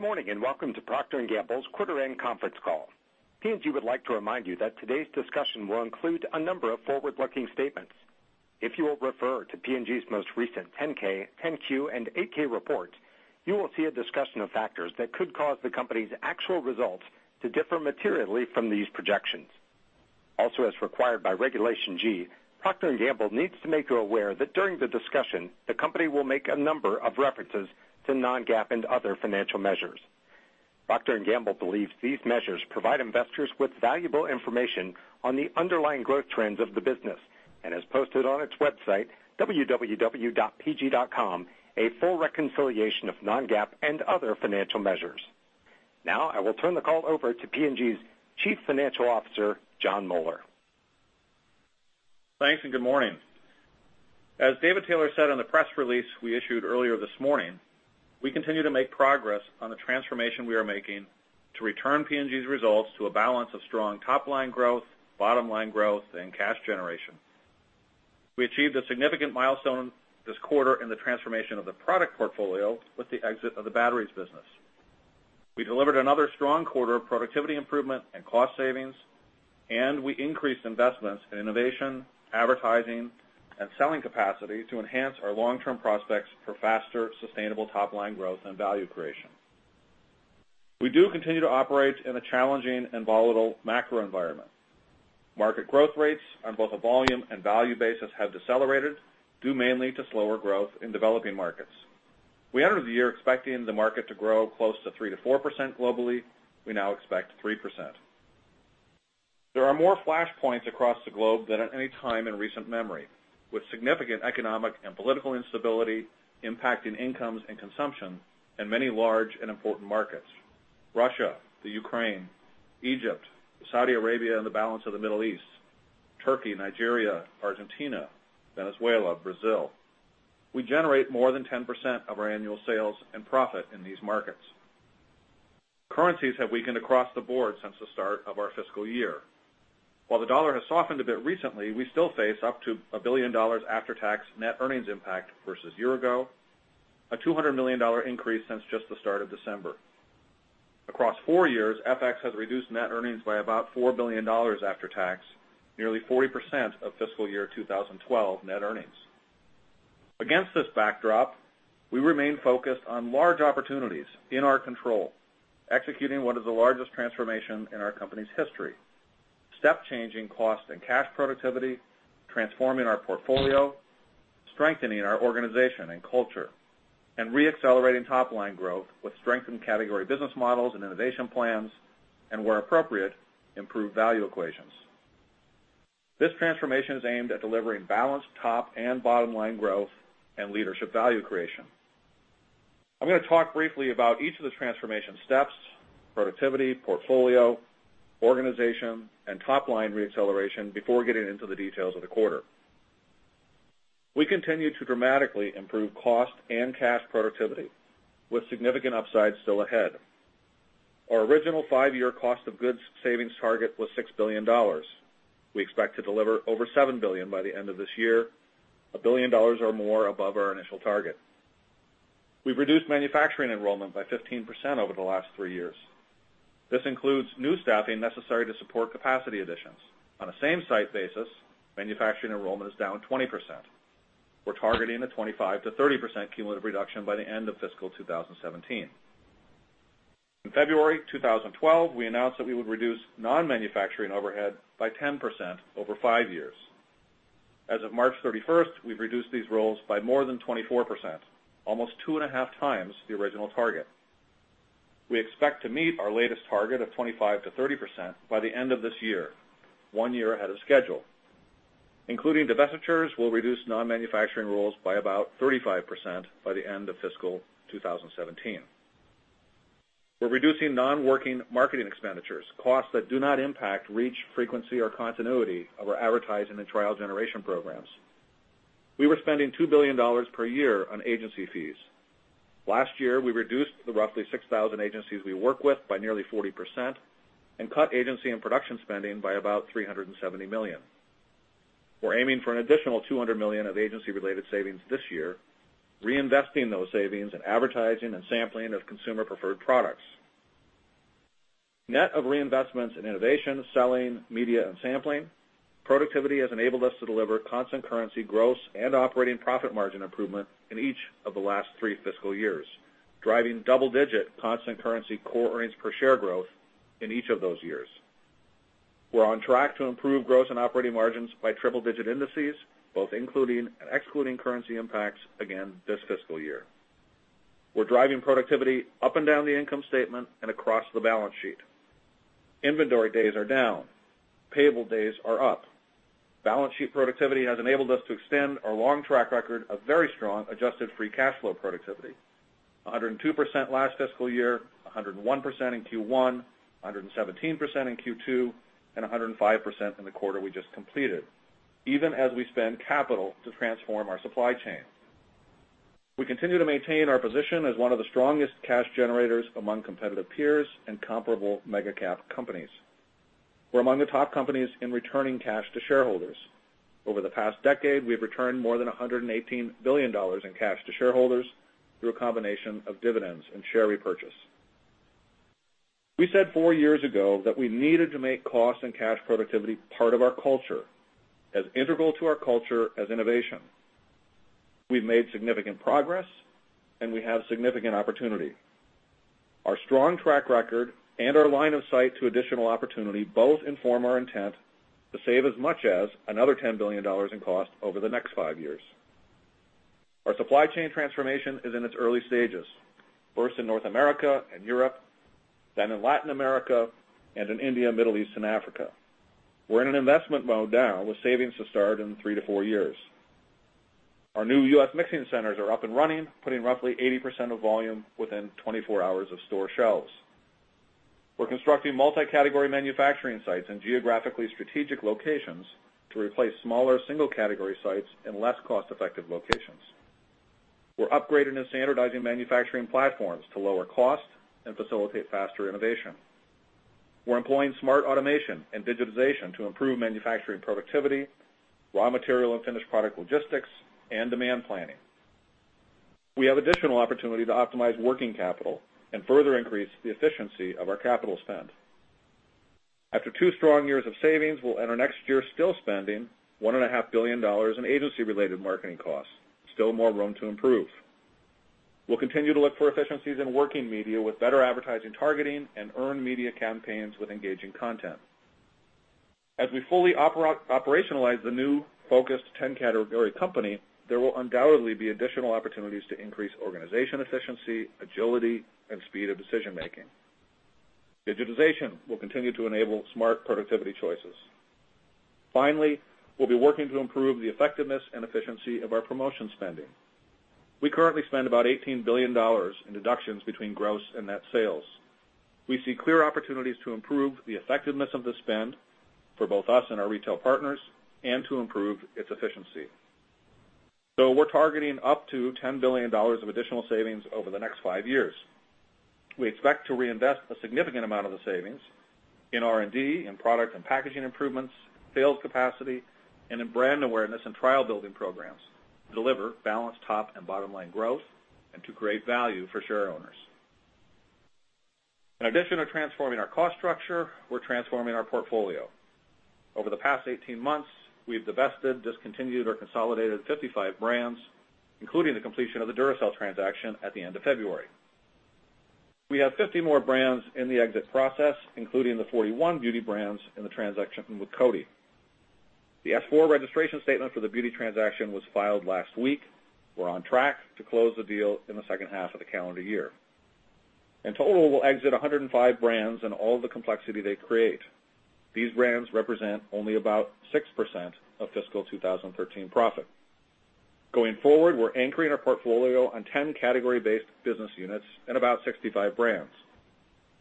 Good morning, welcome to Procter & Gamble's quarter end conference call. P&G would like to remind you that today's discussion will include a number of forward-looking statements. If you will refer to P&G's most recent 10-K, 10-Q, and Form 8-K report, you will see a discussion of factors that could cause the company's actual results to differ materially from these projections. As required by Regulation G, Procter & Gamble needs to make you aware that during the discussion, the company will make a number of references to non-GAAP and other financial measures. Procter & Gamble believes these measures provide investors with valuable information on the underlying growth trends of the business and has posted on its website, www.pg.com, a full reconciliation of non-GAAP and other financial measures. I will turn the call over to P&G's Chief Financial Officer, Jon Moeller. Thanks, good morning. As David Taylor said on the press release we issued earlier this morning, we continue to make progress on the transformation we are making to return P&G's results to a balance of strong top-line growth, bottom-line growth, and cash generation. We achieved a significant milestone this quarter in the transformation of the product portfolio with the exit of the batteries business. We delivered another strong quarter of productivity improvement and cost savings, and we increased investments in innovation, advertising, and selling capacity to enhance our long-term prospects for faster, sustainable top-line growth and value creation. We do continue to operate in a challenging and volatile macro environment. Market growth rates on both a volume and value basis have decelerated, due mainly to slower growth in developing markets. We entered the year expecting the market to grow close to 3%-4% globally. We expect 3%. There are more flashpoints across the globe than at any time in recent memory, with significant economic and political instability impacting incomes and consumption in many large and important markets. Russia, Ukraine, Egypt, Saudi Arabia, and the balance of the Middle East, Turkey, Nigeria, Argentina, Venezuela, Brazil. We generate more than 10% of our annual sales and profit in these markets. Currencies have weakened across the board since the start of our fiscal year. While the dollar has softened a bit recently, we still face up to a $1 billion after-tax net earnings impact versus year-ago, a $200 million increase since just the start of December. Across 4 years, FX has reduced net earnings by about $4 billion after tax, nearly 40% of FY 2012 net earnings. Against this backdrop, we remain focused on large opportunities in our control, executing what is the largest transformation in our company's history. Step changing cost and cash productivity, transforming our portfolio, strengthening our organization and culture, and re-accelerating top-line growth with strengthened category business models and innovation plans, and where appropriate, improved value equations. This transformation is aimed at delivering balanced top and bottom-line growth and leadership value creation. I'm going to talk briefly about each of the transformation steps, productivity, portfolio, organization, and top-line re-acceleration before getting into the details of the quarter. We continue to dramatically improve cost and cash productivity with significant upside still ahead. Our original 5-year cost of goods savings target was $6 billion. We expect to deliver over $7 billion by the end of this year, $1 billion or more above our initial target. We've reduced manufacturing enrollment by 15% over the last three years. This includes new staffing necessary to support capacity additions. On a same site basis, manufacturing enrollment is down 20%. We're targeting a 25%-30% cumulative reduction by the end of fiscal 2017. In February 2012, we announced that we would reduce non-manufacturing overhead by 10% over five years. As of March 31st, we've reduced these roles by more than 24%, almost two and a half times the original target. We expect to meet our latest target of 25%-30% by the end of this year, one year ahead of schedule. Including divestitures, we'll reduce non-manufacturing roles by about 35% by the end of fiscal 2017. We're reducing non-working marketing expenditures, costs that do not impact reach, frequency, or continuity of our advertising and trial generation programs. We were spending $2 billion per year on agency fees. Last year, we reduced the roughly 6,000 agencies we work with by nearly 40% and cut agency and production spending by about $370 million. We're aiming for an additional $200 million of agency-related savings this year, reinvesting those savings in advertising and sampling of consumer preferred products. Net of reinvestments in innovation, selling, media, and sampling, productivity has enabled us to deliver constant currency gross and operating profit margin improvement in each of the last three fiscal years, driving double-digit constant currency Core earnings per share growth in each of those years. We're on track to improve gross and operating margins by triple digit indices, both including and excluding currency impacts again this fiscal year. We're driving productivity up and down the income statement and across the balance sheet. Inventory days are down. Payable days are up. Balance sheet productivity has enabled us to extend our long track record of very strong adjusted free cash flow productivity, 102% last fiscal year, 101% in Q1, 117% in Q2, and 105% in the quarter we just completed, even as we spend capital to transform our supply chain. We continue to maintain our position as one of the strongest cash generators among competitive peers and comparable mega cap companies. We're among the top companies in returning cash to shareholders. Over the past decade, we've returned more than $118 billion in cash to shareholders through a combination of dividends and share repurchase. We said four years ago that we needed to make cost and cash productivity part of our culture, as integral to our culture as innovation. We've made significant progress, and we have significant opportunity. Our strong track record and our line of sight to additional opportunity both inform our intent to save as much as another $10 billion in cost over the next five years. Our supply chain transformation is in its early stages. First in North America and Europe, then in Latin America, and in India, Middle East, and Africa. We're in an investment mode now with savings to start in three to four years. Our new U.S. mixing centers are up and running, putting roughly 80% of volume within 24 hours of store shelves. We're constructing multi-category manufacturing sites in geographically strategic locations to replace smaller single-category sites in less cost-effective locations. We're upgrading and standardizing manufacturing platforms to lower cost and facilitate faster innovation. We're employing smart automation and digitization to improve manufacturing productivity, raw material, and finished product logistics and demand planning. We have additional opportunity to optimize working capital and further increase the efficiency of our capital spend. After two strong years of savings, we'll enter next year still spending $1.5 billion in agency-related marketing costs. Still more room to improve. We'll continue to look for efficiencies in working media with better advertising targeting and earned media campaigns with engaging content. As we fully operationalize the new focused 10-category company, there will undoubtedly be additional opportunities to increase organization efficiency, agility, and speed of decision-making. Digitization will continue to enable smart productivity choices. Finally, we'll be working to improve the effectiveness and efficiency of our promotion spending. We currently spend about $18 billion in deductions between gross and net sales. We see clear opportunities to improve the effectiveness of the spend for both us and our retail partners and to improve its efficiency. We're targeting up to $10 billion of additional savings over the next five years. We expect to reinvest a significant amount of the savings in R&D, in product and packaging improvements, sales capacity, and in brand awareness and trial-building programs to deliver balanced top and bottom-line growth and to create value for share owners. In addition to transforming our cost structure, we're transforming our portfolio. Over the past 18 months, we've divested, discontinued, or consolidated 55 brands, including the completion of the Duracell transaction at the end of February. We have 50 more brands in the exit process, including the 41 beauty brands in the transaction with Coty. The S-4 registration statement for the beauty transaction was filed last week. We're on track to close the deal in the second half of the calendar year. In total, we'll exit 105 brands and all the complexity they create. These brands represent only about 6% of fiscal 2013 profit. Going forward, we're anchoring our portfolio on 10 category-based business units and about 65 brands.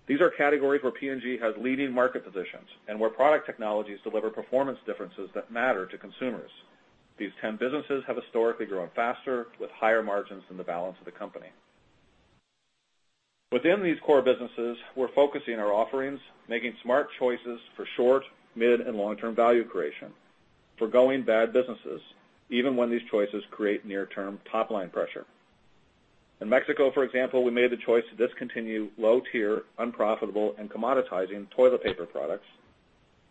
These are categories where P&G has leading market positions and where product technologies deliver performance differences that matter to consumers. These 10 businesses have historically grown faster with higher margins than the balance of the company. Within these core businesses, we're focusing our offerings, making smart choices for short, mid, and long-term value creation, for going bad businesses, even when these choices create near-term top-line pressure. In Mexico, for example, we made the choice to discontinue low-tier, unprofitable, and commoditizing toilet paper products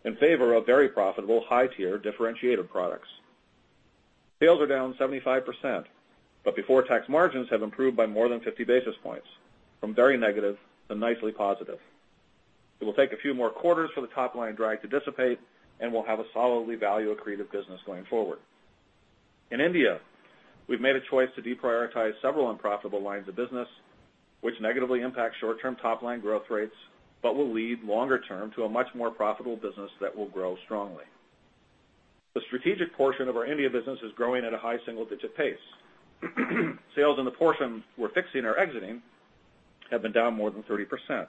in favor of very profitable high-tier differentiated products. Sales are down 75%, but before tax margins have improved by more than 50 basis points, from very negative to nicely positive. It will take a few more quarters for the top-line drag to dissipate, we'll have a solidly value-accretive business going forward. In India, we've made a choice to deprioritize several unprofitable lines of business, which negatively impacts short-term top-line growth rates, will lead longer term to a much more profitable business that will grow strongly. The strategic portion of our India business is growing at a high single-digit pace. Sales in the portion we're fixing or exiting have been down more than 30%.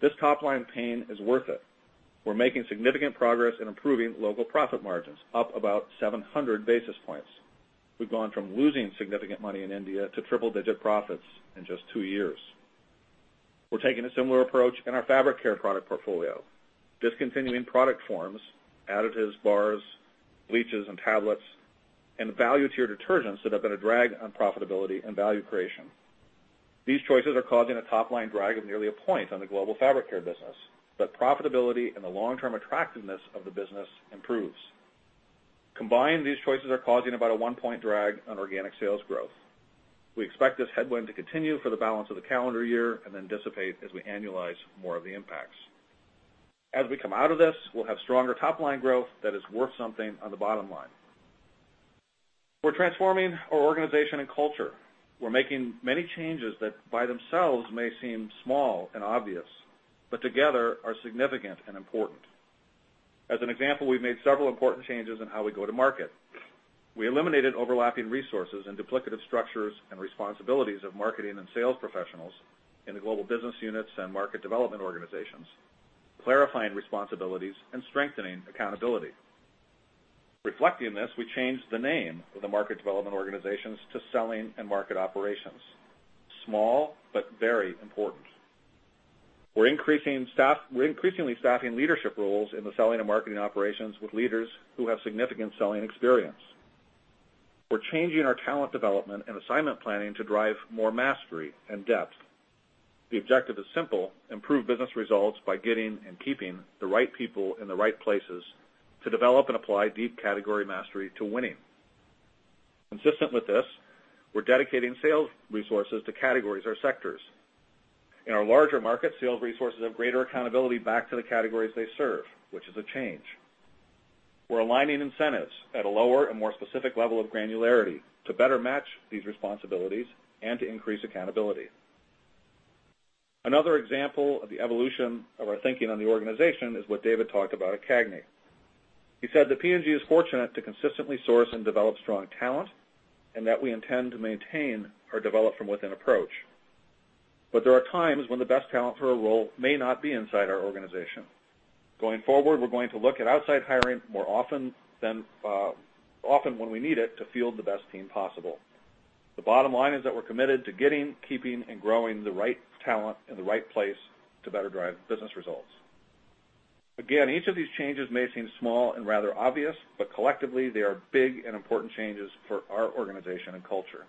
This top-line pain is worth it. We're making significant progress in improving local profit margins, up about 700 basis points. We've gone from losing significant money in India to triple-digit profits in just two years. We're taking a similar approach in our fabric care product portfolio, discontinuing product forms, additives, bars, bleaches, and tablets, and the value tier detergents that have been a drag on profitability and value creation. These choices are causing a top-line drag of nearly a point on the global fabric care business, but profitability and the long-term attractiveness of the business improves. Combined, these choices are causing about a one-point drag on organic sales growth. We expect this headwind to continue for the balance of the calendar year and then dissipate as we annualize more of the impacts. As we come out of this, we'll have stronger top-line growth that is worth something on the bottom line. We're transforming our organization and culture. We're making many changes that by themselves may seem small and obvious, but together are significant and important. As an example, we've made several important changes in how we go to market. We eliminated overlapping resources and duplicative structures and responsibilities of marketing and sales professionals in the global business units and Market Development Organizations, clarifying responsibilities and strengthening accountability. Reflecting this, we changed the name of the Market Development Organizations to Selling and Market Operations. Small, but very important. We're increasingly staffing leadership roles in the Selling and Market Operations with leaders who have significant selling experience. We're changing our talent development and assignment planning to drive more mastery and depth. The objective is simple. Improve business results by getting and keeping the right people in the right places to develop and apply deep category mastery to winning. Consistent with this, we're dedicating sales resources to categories or sectors. In our larger markets, sales resources have greater accountability back to the categories they serve, which is a change. We're aligning incentives at a lower and more specific level of granularity to better match these responsibilities and to increase accountability. Another example of the evolution of our thinking on the organization is what David talked about at CAGNY. He said that P&G is fortunate to consistently source and develop strong talent, and that we intend to maintain or develop from within approach. There are times when the best talent for a role may not be inside our organization. Going forward, we're going to look at outside hiring more often when we need it to field the best team possible. The bottom line is that we're committed to getting, keeping, and growing the right talent in the right place to better drive business results. Again, each of these changes may seem small and rather obvious, but collectively, they are big and important changes for our organization and culture.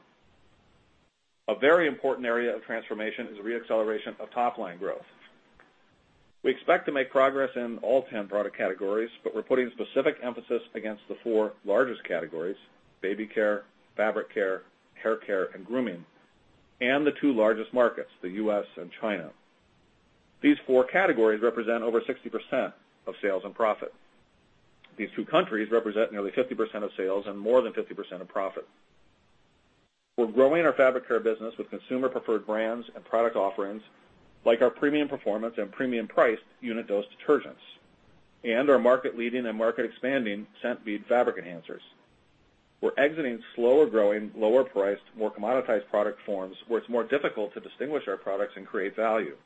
A very important area of transformation is re-acceleration of top-line growth. We expect to make progress in all 10 product categories, but we're putting specific emphasis against the 4 largest categories, baby care, fabric care, hair care, and grooming, and the 2 largest markets, the U.S. and China. These 4 categories represent over 60% of sales and profit. These 2 countries represent nearly 50% of sales and more than 50% of profit. We're growing our fabric care business with consumer preferred brands and product offerings, like our premium performance and premium priced unit dose detergents, and our market leading and market expanding scent bead fabric enhancers. We're exiting slower growing, lower priced, more commoditized product forms where it's more difficult to distinguish our products and create value.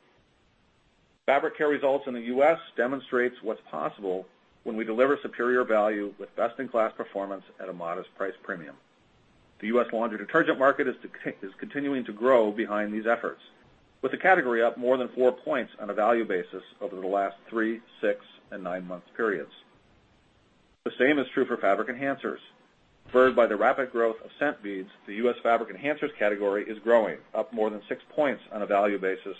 Fabric care results in the U.S. demonstrates what's possible when we deliver superior value with best-in-class performance at a modest price premium. The U.S. laundry detergent market is continuing to grow behind these efforts, with the category up more than four points on a value basis over the last three, six, and nine-month periods. The same is true for fabric enhancers. Preferred by the rapid growth of scent beads, the U.S. fabric enhancers category is growing, up more than six points on a value basis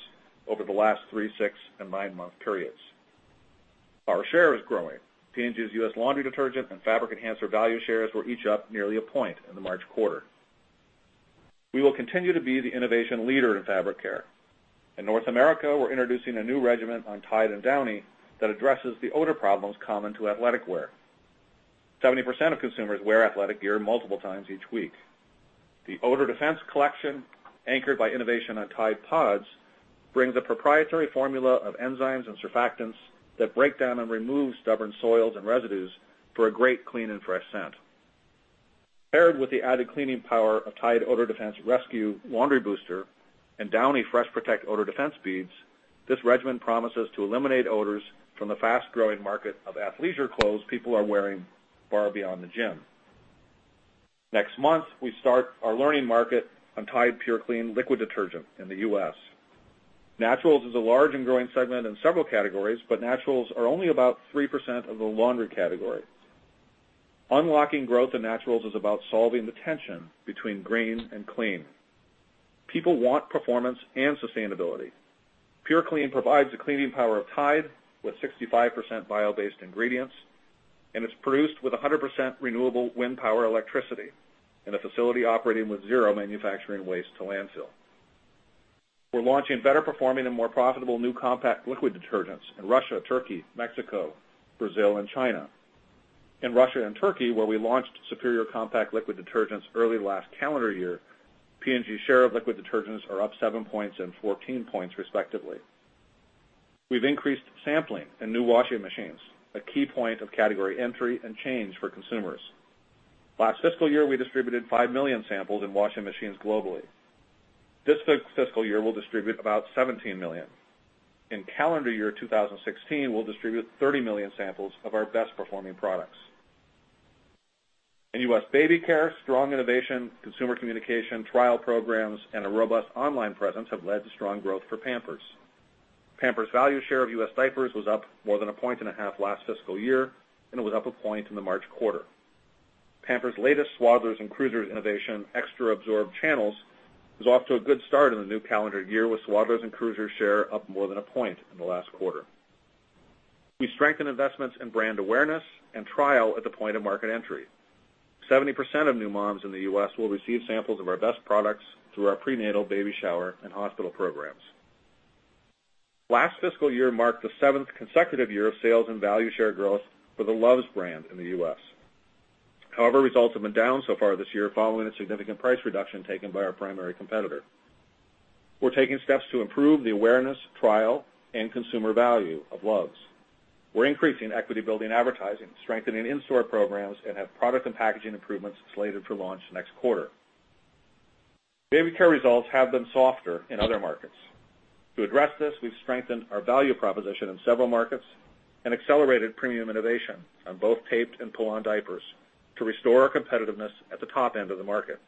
over the last three, six, and nine-month periods. Our share is growing. P&G's U.S. laundry detergent and fabric enhancer value shares were each up nearly a point in the March quarter. We will continue to be the innovation leader in fabric care. In North America, we're introducing a new regimen on Tide and Downy that addresses the odor problems common to athletic wear. 70% of consumers wear athletic gear multiple times each week. The Odor Defense collection, anchored by innovation on Tide PODS, brings a proprietary formula of enzymes and surfactants that break down and remove stubborn soils and residues for a great clean and fresh scent. Paired with the added cleaning power of Tide Odor Rescue In-Wash Laundry Booster and Downy Fresh Protect In-Wash Odor Defense beads, this regimen promises to eliminate odors from the fast-growing market of athleisure clothes people are wearing far beyond the gym. Next month, we start our learning market on Tide purclean Liquid Detergent in the U.S. Naturals is a large and growing segment in several categories, but naturals are only about 3% of the laundry category. Unlocking growth in naturals is about solving the tension between green and clean. People want performance and sustainability. purclean provides the cleaning power of Tide with 65% bio-based ingredients, and it's produced with 100% renewable wind power electricity in a facility operating with zero manufacturing waste to landfill. We're launching better performing and more profitable new compact liquid detergents in Russia, Turkey, Mexico, Brazil, and China. In Russia and Turkey, where we launched superior compact liquid detergents early last calendar year, P&G's share of liquid detergents are up seven points and 14 points respectively. We've increased sampling in new washing machines, a key point of category entry and change for consumers. Last fiscal year, we distributed five million samples in washing machines globally. This fiscal year, we'll distribute about 17 million. In calendar year 2016, we'll distribute 30 million samples of our best performing products. In U.S. baby care, strong innovation, consumer communication, trial programs, and a robust online presence have led to strong growth for Pampers. Pampers' value share of U.S. diapers was up more than a point and a half last fiscal year, and it was up a point in the March quarter. Pampers' latest Swaddlers and Cruisers innovation, Extra Absorb Channels, is off to a good start in the new calendar year with Swaddlers' and Cruisers' share up more than a point in the last quarter. We strengthened investments in brand awareness and trial at the point of market entry. 70% of new moms in the U.S. will receive samples of our best products through our prenatal baby shower and hospital programs. Last fiscal year marked the seventh consecutive year of sales and value share growth for the Luvs brand in the U.S. However, results have been down so far this year following a significant price reduction taken by our primary competitor. We're taking steps to improve the awareness, trial, and consumer value of Luvs. We're increasing equity building advertising, strengthening in-store programs, and have product and packaging improvements slated for launch next quarter. Baby care results have been softer in other markets. To address this, we've strengthened our value proposition in several markets and accelerated premium innovation on both taped and pull-on diapers to restore our competitiveness at the top end of the market.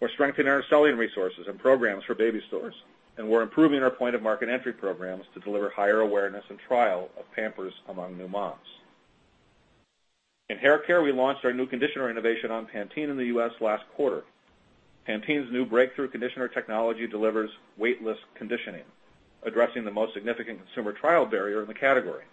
We're strengthening our selling resources and programs for baby stores, and we're improving our point-of-market entry programs to deliver higher awareness and trial of Pampers among new moms. In hair care, we launched our new conditioner innovation on Pantene in the U.S. last quarter. Pantene's new breakthrough conditioner technology delivers weightless conditioning, addressing the most significant consumer trial barrier in the category.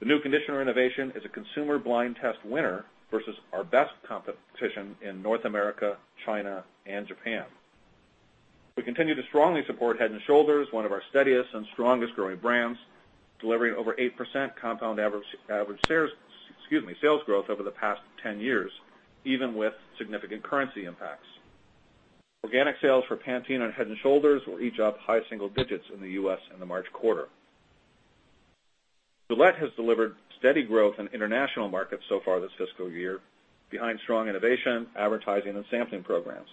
The new conditioner innovation is a consumer blind test winner versus our best competition in North America, China, and Japan. We continue to strongly support Head & Shoulders, one of our steadiest and strongest growing brands, delivering over 8% compound average sales growth over the past 10 years, even with significant currency impacts. Organic sales for Pantene and Head & Shoulders were each up high single digits in the U.S. in the March quarter. Gillette has delivered steady growth in international markets so far this fiscal year behind strong innovation, advertising, and sampling programs.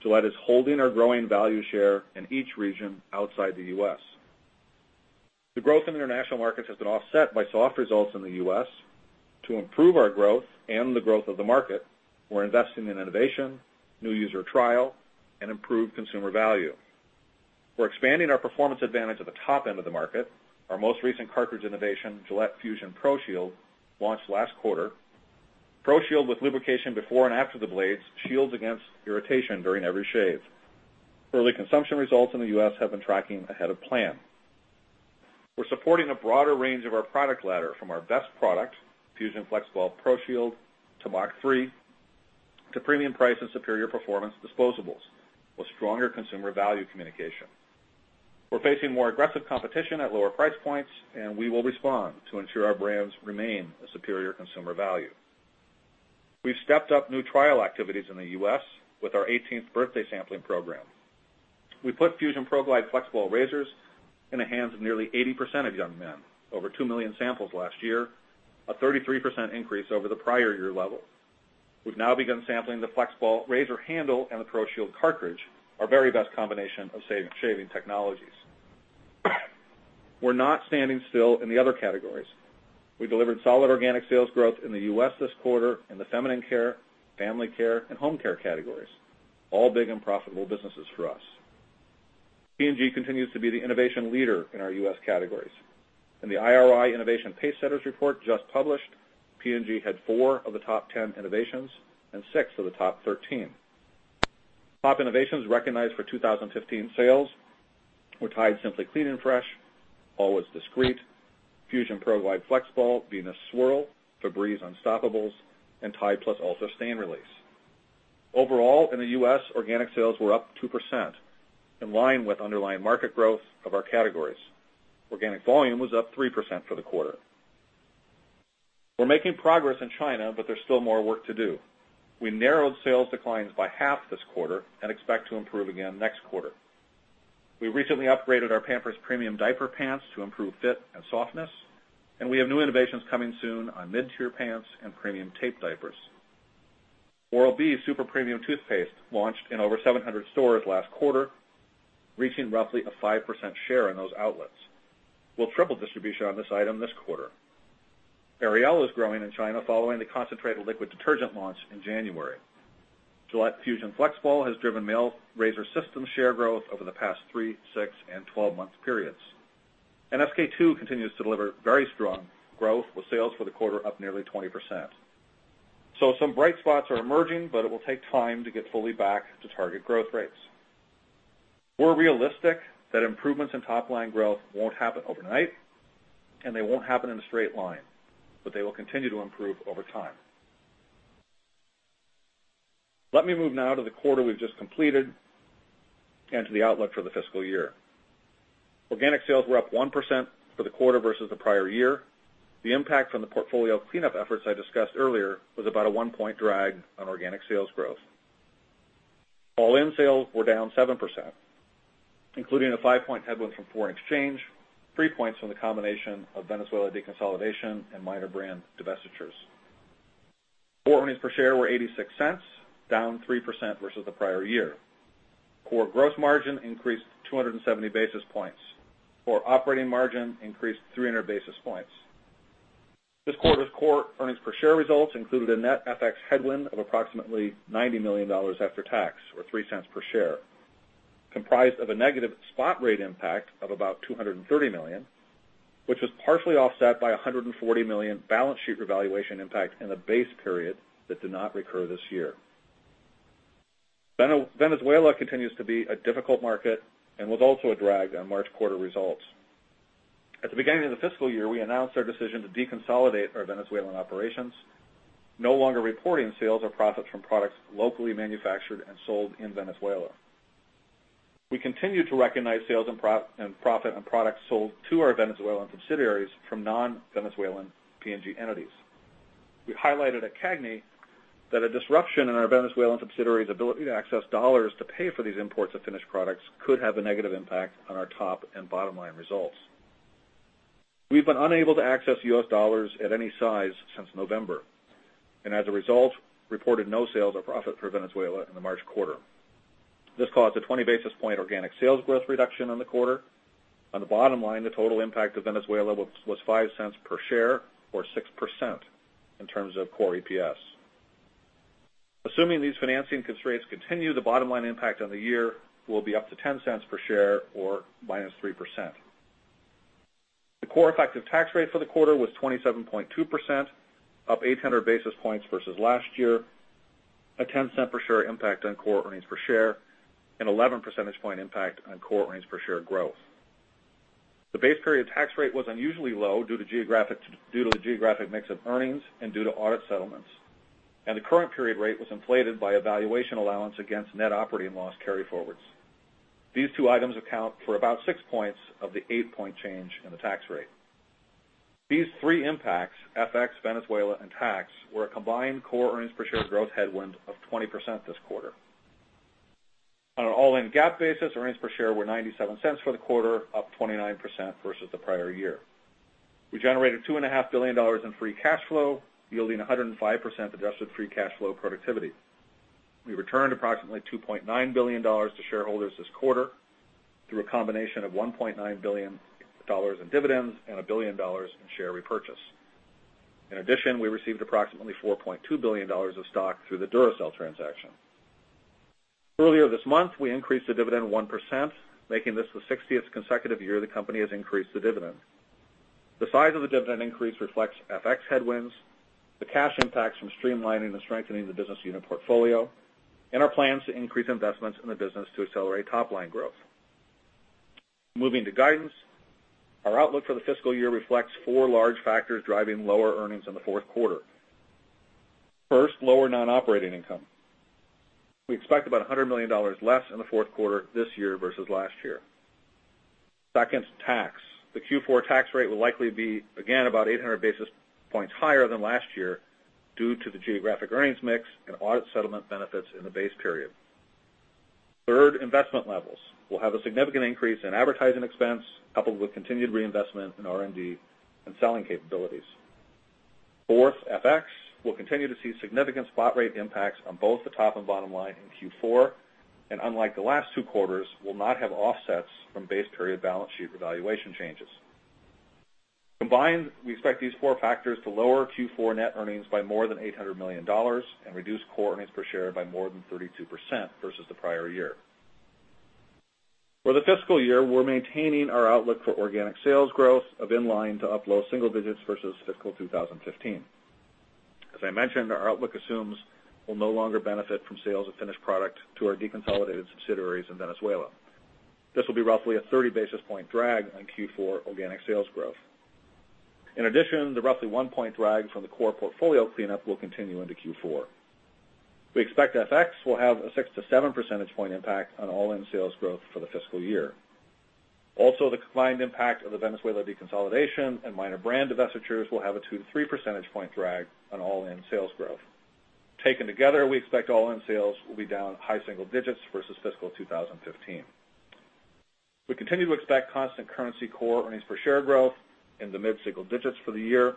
Gillette is holding our growing value share in each region outside the U.S. The growth in international markets has been offset by soft results in the U.S. To improve our growth and the growth of the market, we're investing in innovation, new user trial, and improved consumer value. We're expanding our performance advantage at the top end of the market. Our most recent cartridge innovation, Gillette Fusion ProShield, launched last quarter. ProShield, with lubrication before and after the blades, shields against irritation during every shave. Early consumption results in the U.S. have been tracking ahead of plan. We're supporting a broader range of our product ladder from our best product, Fusion FlexBall ProShield, to Mach3, to premium price and superior performance disposables, with stronger consumer value communication. We're facing more aggressive competition at lower price points, and we will respond to ensure our brands remain a superior consumer value. We've stepped up new trial activities in the U.S. with our 18th birthday sampling program. We put Fusion ProGlide FlexBall razors in the hands of nearly 80% of young men, over 2 million samples last year, a 33% increase over the prior year level. We've now begun sampling the FlexBall razor handle and the ProShield cartridge, our very best combination of shaving technologies. We're not standing still in the other categories. We delivered solid organic sales growth in the U.S. this quarter in the feminine care, family care, and home care categories, all big and profitable businesses for us. P&G continues to be the innovation leader in our U.S. categories. In the IRI New Product Pacesetters report just published, P&G had four of the top 10 innovations and six of the top 13. Top innovations recognized for 2015 sales were Tide Simply Clean and Fresh, Always Discreet, Fusion ProGlide FlexBall, Venus Swirl, Febreze Unstopables, and Tide Plus Ultra Stain Release. Overall, in the U.S., organic sales were up 2%, in line with underlying market growth of our categories. Organic volume was up 3% for the quarter. We're making progress in China, but there's still more work to do. We narrowed sales declines by half this quarter and expect to improve again next quarter. We recently upgraded our Pampers Premium Diaper Pants to improve fit and softness, and we have new innovations coming soon on mid-tier pants and premium tape diapers. Oral-B Super Premium toothpaste launched in over 700 stores last quarter, reaching roughly a 5% share in those outlets. We'll triple distribution on this item this quarter. Ariel is growing in China following the concentrated liquid detergent launch in January. Gillette Fusion FlexBall has driven male razor system share growth over the past three, six, and 12-month periods. SK-II continues to deliver very strong growth, with sales for the quarter up nearly 20%. Some bright spots are emerging, but it will take time to get fully back to target growth rates. We're realistic that improvements in top-line growth won't happen overnight, and they won't happen in a straight line, but they will continue to improve over time. Let me move now to the quarter we've just completed and to the outlook for the fiscal year. Organic sales were up 1% for the quarter versus the prior year. The impact from the portfolio cleanup efforts I discussed earlier was about a one-point drag on organic sales growth. All-in sales were down 7%, including a five-point headwind from foreign exchange, three points from the combination of Venezuela deconsolidation, and minor brand divestitures. Core EPS were $0.86, down 3% versus the prior year. Core gross margin increased 270 basis points. Core operating margin increased 300 basis points. This quarter's Core EPS results included a net FX headwind of approximately $90 million after tax, or $0.03 per share, comprised of a negative spot rate impact of about $230 million, which was partially offset by $140 million balance sheet revaluation impact in the base period that did not recur this year. Venezuela continues to be a difficult market and was also a drag on March quarter results. At the beginning of the fiscal year, we announced our decision to deconsolidate our Venezuelan operations, no longer reporting sales or profits from products locally manufactured and sold in Venezuela. We continue to recognize sales and profit on products sold to our Venezuelan subsidiaries from non-Venezuelan P&G entities. We highlighted at CAGNY that a disruption in our Venezuelan subsidiary's ability to access dollars to pay for these imports of finished products could have a negative impact on our top and bottom line results. We've been unable to access U.S. dollars at any size since November, and as a result, reported no sales or profit for Venezuela in the March quarter. This caused a 20 basis point organic sales growth reduction in the quarter. On the bottom line, the total impact of Venezuela was $0.05 per share or 6% in terms of Core EPS. Assuming these financing constraints continue, the bottom-line impact on the year will be up to $0.10 per share or -3%. The core effective tax rate for the quarter was 27.2%, up 800 basis points versus last year, a $0.10 per share impact on Core EPS, an 11 percentage point impact on Core EPS growth. The base period tax rate was unusually low due to the geographic mix of earnings and due to audit settlements, and the current period rate was inflated by a valuation allowance against net operating loss carryforwards. These two items account for about six points of the eight-point change in the tax rate. These three impacts, FX, Venezuela, and tax, were a combined Core EPS growth headwind of 20% this quarter. On an all-in GAAP basis, EPS were $0.97 for the quarter, up 29% versus the prior year. We generated $2.5 billion in free cash flow, yielding 105% adjusted free cash flow productivity. We returned approximately $2.9 billion to shareholders this quarter through a combination of $1.9 billion in dividends and $1 billion in share repurchase. In addition, we received approximately $4.2 billion of stock through the Duracell transaction. Earlier this month, we increased the dividend 1%, making this the 60th consecutive year the company has increased the dividend. The size of the dividend increase reflects FX headwinds, the cash impacts from streamlining and strengthening the business unit portfolio, and our plans to increase investments in the business to accelerate top-line growth. Moving to guidance. Our outlook for the fiscal year reflects four large factors driving lower earnings in the fourth quarter. First, lower non-operating income. We expect about $100 million less in the fourth quarter this year versus last year. Second, tax. The Q4 tax rate will likely be, again, about 800 basis points higher than last year due to the geographic earnings mix and audit settlement benefits in the base period. Third, investment levels. We will have a significant increase in advertising expense, coupled with continued reinvestment in R&D and selling capabilities. Fourth, FX. We will continue to see significant spot rate impacts on both the top and bottom line in Q4, and unlike the last two quarters, will not have offsets from base period balance sheet revaluation changes. Combined, we expect these four factors to lower Q4 net earnings by more than $800 million and reduce Core EPS by more than 32% versus the prior year. For the fiscal year, we are maintaining our outlook for organic sales growth of in line to upload single digits versus fiscal 2015. As I mentioned, our outlook assumes we will no longer benefit from sales of finished product to our deconsolidated subsidiaries in Venezuela. This will be roughly a 30 basis point drag on Q4 organic sales growth. In addition, the roughly one point drag from the core portfolio cleanup will continue into Q4. We expect FX will have a six to seven percentage point impact on all-in sales growth for the fiscal year. Also, the combined impact of the Venezuela deconsolidation and minor brand divestitures will have a two to three percentage point drag on all-in sales growth. Taken together, we expect all-in sales will be down high single digits versus fiscal 2015. We continue to expect constant currency Core EPS growth in the mid-single digits for the year.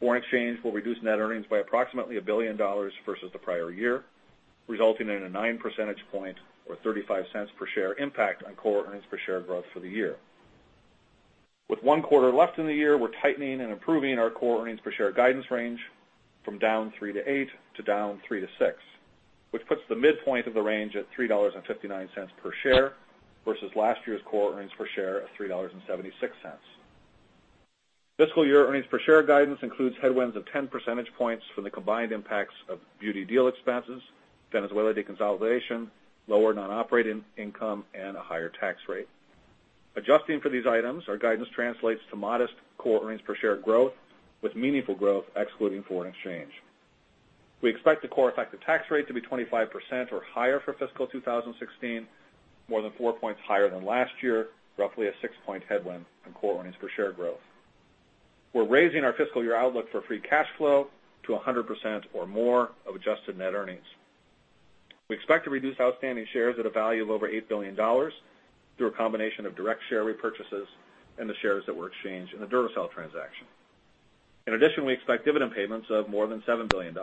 Foreign exchange will reduce net earnings by approximately $1 billion versus the prior year, resulting in a nine percentage point or $0.35 per share impact on Core EPS growth for the year. With one quarter left in the year, we're tightening and improving our Core EPS guidance range from down three to eight to down three to six, which puts the midpoint of the range at $3.59 per share versus last year's Core EPS of $3.76. Fiscal year EPS guidance includes headwinds of 10 percentage points from the combined impacts of beauty deal expenses, Venezuela deconsolidation, lower non-operating income, and a higher tax rate. Adjusting for these items, our guidance translates to modest Core EPS growth, with meaningful growth excluding foreign exchange. We expect the core effective tax rate to be 25% or higher for fiscal 2016, more than four points higher than last year, roughly a six-point headwind on Core EPS growth. We're raising our fiscal year outlook for free cash flow to 100% or more of adjusted net earnings. We expect to reduce outstanding shares at a value of over $8 billion through a combination of direct share repurchases and the shares that were exchanged in the Duracell transaction. In addition, we expect dividend payments of more than $7 billion.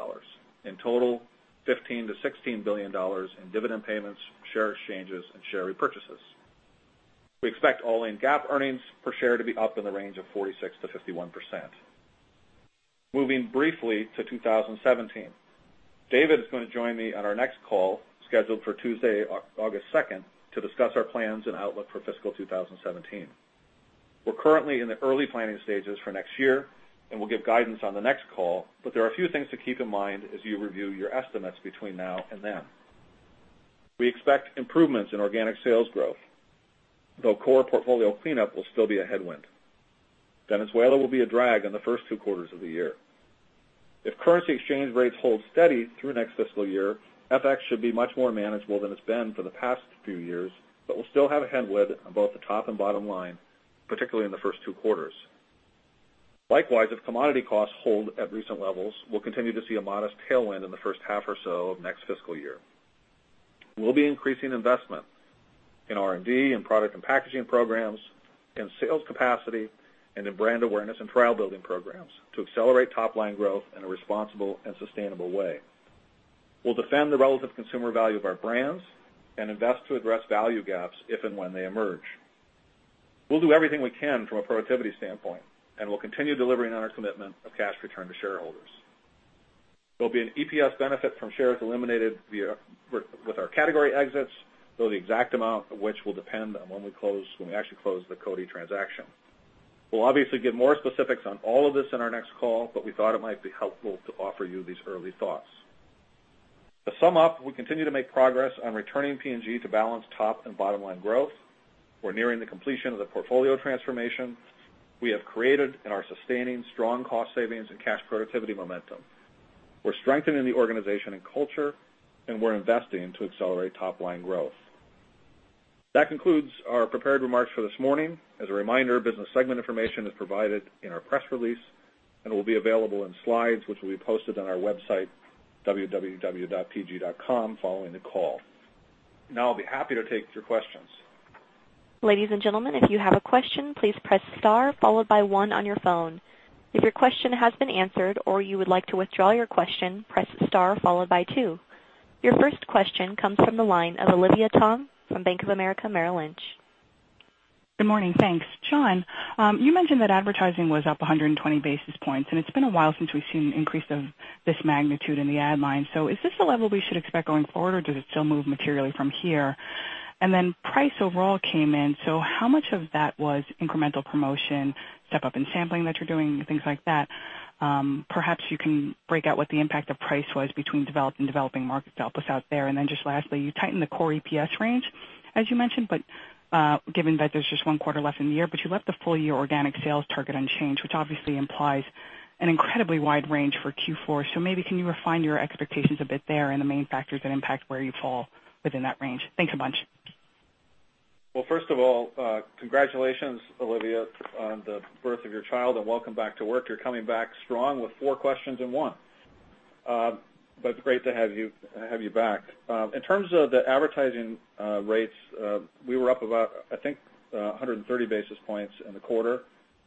In total, $15 billion-$16 billion in dividend payments, share exchanges, and share repurchases. We expect all-in GAAP EPS to be up in the range of 46%-51%. Moving briefly to 2017. David is going to join me on our next call, scheduled for Tuesday, August 2nd, to discuss our plans and outlook for fiscal 2017. We're currently in the early planning stages for next year. We'll give guidance on the next call, but there are a few things to keep in mind as you review your estimates between now and then. We expect improvements in organic sales growth, though core portfolio cleanup will still be a headwind. Venezuela will be a drag on the first two quarters of the year. If currency exchange rates hold steady through next fiscal year, FX should be much more manageable than it's been for the past few years, but we'll still have a headwind on both the top and bottom line, particularly in the first two quarters. Likewise, if commodity costs hold at recent levels, we'll continue to see a modest tailwind in the first half or so of next fiscal year. We'll be increasing investment in R&D, in product and packaging programs, in sales capacity, and in brand awareness and trial-building programs to accelerate top-line growth in a responsible and sustainable way. We'll defend the relative consumer value of our brands and invest to address value gaps if and when they emerge. We'll do everything we can from a productivity standpoint. We'll continue delivering on our commitment of cash return to shareholders. There'll be an EPS benefit from shares eliminated with our category exits, though the exact amount of which will depend on when we actually close the Coty transaction. We'll obviously give more specifics on all of this in our next call, but we thought it might be helpful to offer you these early thoughts. To sum up, we continue to make progress on returning P&G to balanced top and bottom-line growth. We're nearing the completion of the portfolio transformation. We have created and are sustaining strong cost savings and cash productivity momentum. We're strengthening the organization and culture, and we're investing to accelerate top-line growth. That concludes our prepared remarks for this morning. As a reminder, business segment information is provided in our press release and will be available in slides, which will be posted on our website, www.pg.com, following the call. Now, I'll be happy to take your questions. Ladies and gentlemen, if you have a question, please press star followed by one on your phone. If your question has been answered or you would like to withdraw your question, press star followed by two. Your first question comes from the line of Olivia Tong from Bank of America Merrill Lynch. Good morning. Thanks. Jon, you mentioned that advertising was up 120 basis points, and it's been a while since we've seen an increase of this magnitude in the ad line. Is this the level we should expect going forward, or does it still move materially from here? Price overall came in. How much of that was incremental promotion, step-up in sampling that you're doing, things like that? Perhaps you can break out what the impact of price was between developed and developing markets to help us out there. Just lastly, you tightened the core EPS range, as you mentioned, but given that there's just one quarter left in the year, but you left the full-year organic sales target unchanged, which obviously implies an incredibly wide range for Q4. Maybe can you refine your expectations a bit there and the main factors that impact where you fall within that range? Thanks a bunch. Well, first of all, congratulations, Olivia, on the birth of your child, and welcome back to work. You're coming back strong with four questions in one. It's great to have you back. In terms of the advertising rates, we were up about, I think, 130 basis points in the quarter.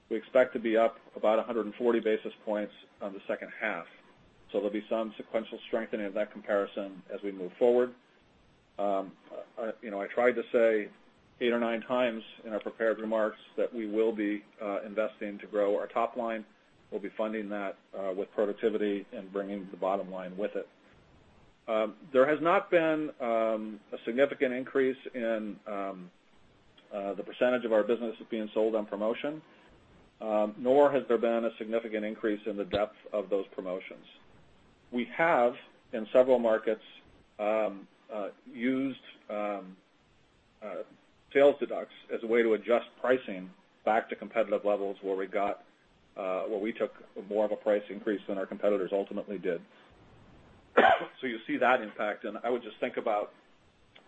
We expect to be up about 140 basis points on the second half. There'll be some sequential strengthening of that comparison as we move forward. I tried to say eight or nine times in our prepared remarks that we will be investing to grow our top line. We'll be funding that with productivity and bringing the bottom line with it. There has not been a significant increase in the percentage of our business being sold on promotion, nor has there been a significant increase in the depth of those promotions. We have, in several markets, used sales deducts as a way to adjust pricing back to competitive levels where we took more of a price increase than our competitors ultimately did. You see that impact, and I would just think about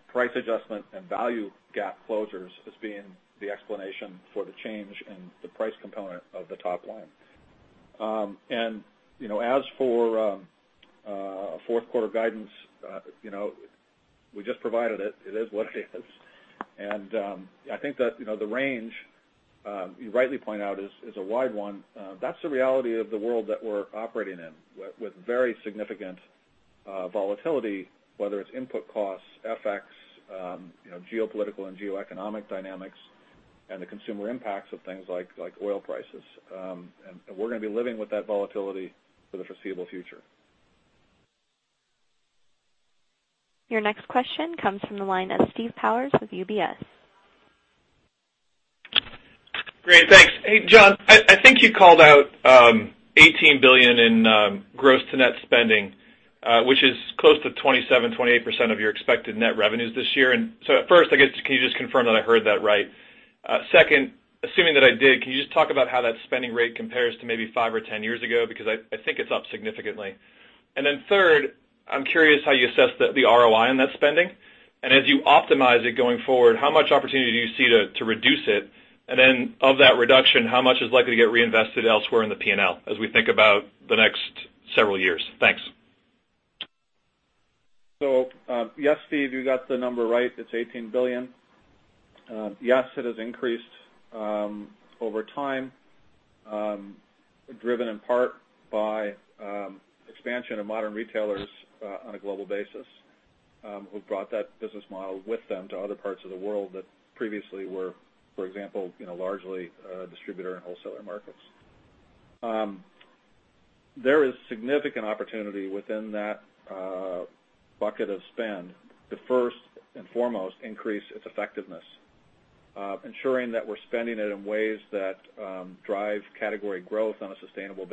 price adjustment and value gap closures as being the explanation for the change in the price component of the top line. As for fourth quarter guidance, we just provided it. It is what it is. I think that the range, you rightly point out, is a wide one. That's the reality of the world that we're operating in, with very significant volatility, whether it's input costs, FX, geopolitical and geoeconomic dynamics, and the consumer impacts of things like oil prices. We're going to be living with that volatility for the foreseeable future. Your next question comes from the line of Steve Powers with UBS. Great. Thanks. Hey, Jon, I think you called out $18 billion in gross to net spending, which is close to 27%, 28% of your expected net revenues this year. At first, I guess, can you just confirm that I heard that right? Second, assuming that I did, can you just talk about how that spending rate compares to maybe five or 10 years ago? Because I think it's up significantly. Third, I'm curious how you assess the ROI on that spending. As you optimize it going forward, how much opportunity do you see to reduce it? And then of that reduction, how much is likely to get reinvested elsewhere in the P&L as we think about the next several years? Thanks. Yes, Steve, you got the number right. It's $18 billion. Yes, it has increased over time, driven in part by expansion of modern retailers on a global basis who've brought that business model with them to other parts of the world that previously were, for example, largely distributor and wholesaler markets. There is significant opportunity within that bucket of spend to first and foremost increase its effectiveness, ensuring that we're spending it in ways that drive category growth on a sustainable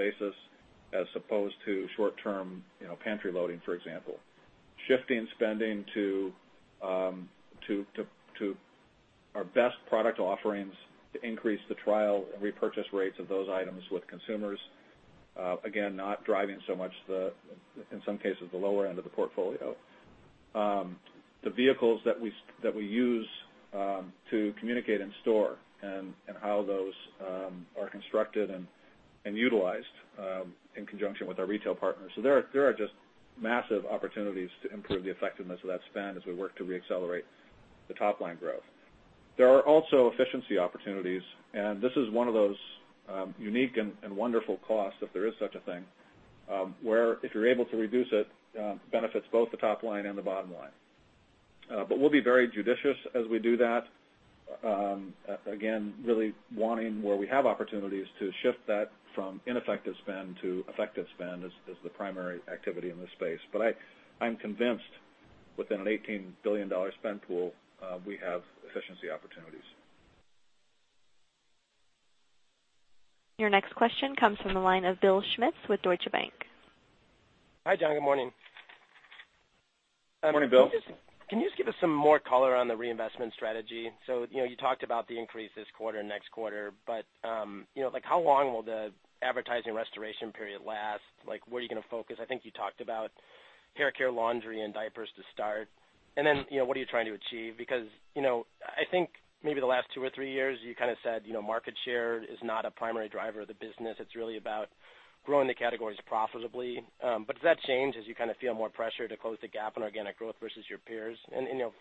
basis as opposed to short-term pantry loading, for example. Shifting spending to our best product offerings to increase the trial and repurchase rates of those items with consumers, again, not driving so much the, in some cases, the lower end of the portfolio. The vehicles that we use to communicate in store and how those are constructed and utilized in conjunction with our retail partners. There are just massive opportunities to improve the effectiveness of that spend as we work to reaccelerate the top-line growth. There are also efficiency opportunities, and this is one of those unique and wonderful costs, if there is such a thing, where if you're able to reduce it, benefits both the top line and the bottom line. We'll be very judicious as we do that. Again, really wanting where we have opportunities to shift that from ineffective spend to effective spend as the primary activity in this space. I'm convinced within an $18 billion spend pool, we have efficiency opportunities. Your next question comes from the line of Bill Schmitz with Deutsche Bank. Hi, Jon. Good morning. Good morning, Bill. Can you just give us some more color on the reinvestment strategy? You talked about the increase this quarter, next quarter, but how long will the advertising restoration period last? Where are you going to focus? I think you talked about hair care, laundry, and diapers to start. What are you trying to achieve? I think maybe the last two or three years, you said, market share is not a primary driver of the business. It's really about growing the categories profitably. Does that change as you feel more pressure to close the gap on organic growth versus your peers?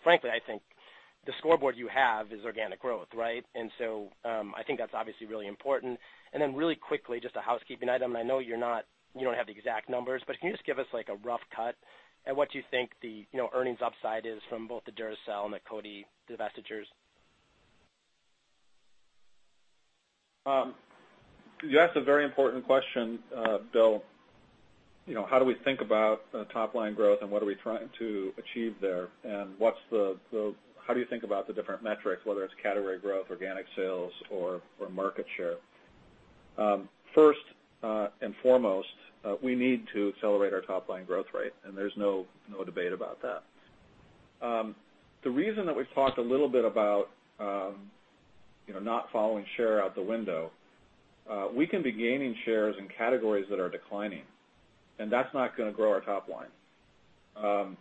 Frankly, I think the scoreboard you have is organic growth, right? I think that's obviously really important. Really quickly, just a housekeeping item, and I know you don't have the exact numbers, but can you just give us a rough cut at what you think the earnings upside is from both the Duracell and the Coty divestitures? You asked a very important question, Bill. How do we think about top-line growth, and what are we trying to achieve there? How do you think about the different metrics, whether it's category growth, organic sales, or market share? First and foremost, we need to accelerate our top-line growth rate, and there's no debate about that. The reason that we've talked a little bit about not following share out the window, we can be gaining shares in categories that are declining, and that's not going to grow our top line.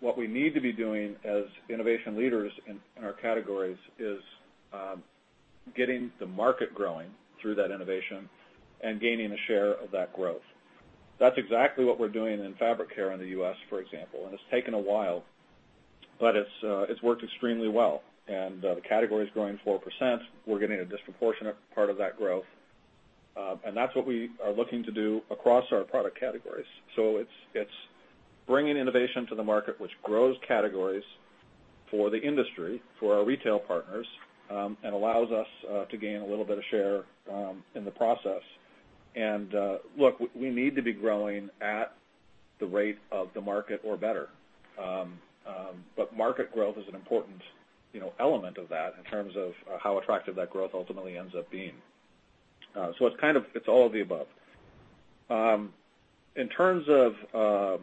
What we need to be doing as innovation leaders in our categories is getting the market growing through that innovation and gaining a share of that growth. That's exactly what we're doing in fabric care in the U.S., for example, and it's taken a while, but it's worked extremely well. The category is growing 4%. We're getting a disproportionate part of that growth. That's what we are looking to do across our product categories. It's bringing innovation to the market, which grows categories for the industry, for our retail partners, and allows us to gain a little bit of share in the process. Look, we need to be growing at the rate of the market or better. Market growth is an important element of that in terms of how attractive that growth ultimately ends up being. It's all of the above. In terms of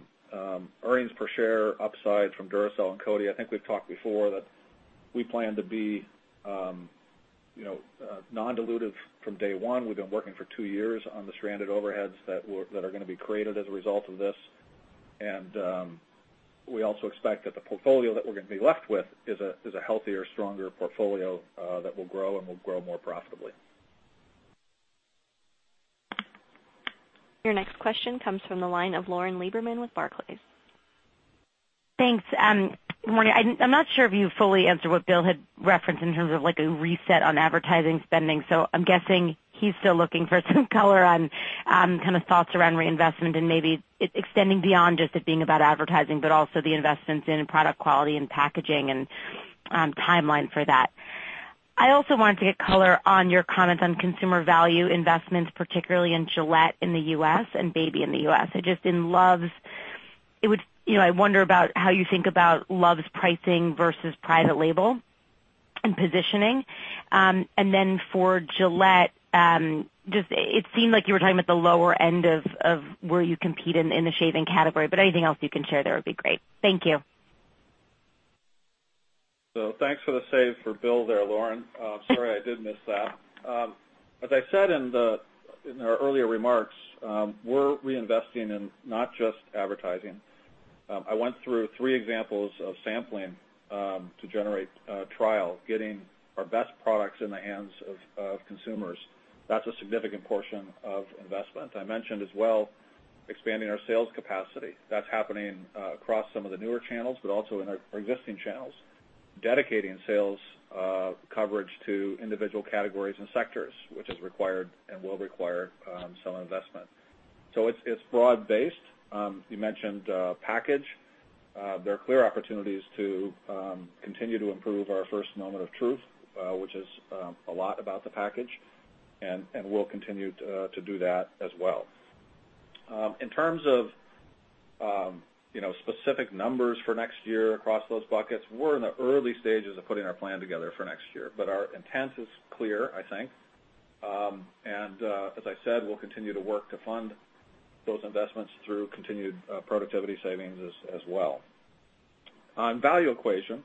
earnings per share upside from Duracell and Coty, I think we've talked before that we plan to be non-dilutive from day one. We've been working for two years on the stranded overheads that are going to be created as a result of this. We also expect that the portfolio that we're going to be left with is a healthier, stronger portfolio that will grow and will grow more profitably. Your next question comes from the line of Lauren Lieberman with Barclays. Thanks. Morning. I'm not sure if you fully answered what Bill had referenced in terms of a reset on advertising spending. I'm guessing he's still looking for some color on thoughts around reinvestment and maybe it extending beyond just it being about advertising, but also the investments in product quality and packaging and timeline for that. I also wanted to get color on your comments on consumer value investments, particularly in Gillette in the U.S. and Baby in the U.S. I wonder about how you think about Luvs pricing versus private label and positioning. Then for Gillette, it seemed like you were talking about the lower end of where you compete in the shaving category, but anything else you can share there would be great. Thank you. Thanks for the save for Bill there, Lauren. Sorry, I did miss that. As I said in our earlier remarks, we're reinvesting in not just advertising. I went through three examples of sampling to generate trial, getting our best products in the hands of consumers. That's a significant portion of investment. I mentioned as well expanding our sales capacity. That's happening across some of the newer channels, but also in our existing channels, dedicating sales coverage to individual categories and sectors, which is required and will require some investment. It's broad-based. You mentioned package. There are clear opportunities to continue to improve our first moment of truth, which is a lot about the package, and we'll continue to do that as well. In terms of specific numbers for next year across those buckets, we're in the early stages of putting our plan together for next year. Our intent is clear, I think. As I said, we'll continue to work to fund those investments through continued productivity savings as well. On value equation,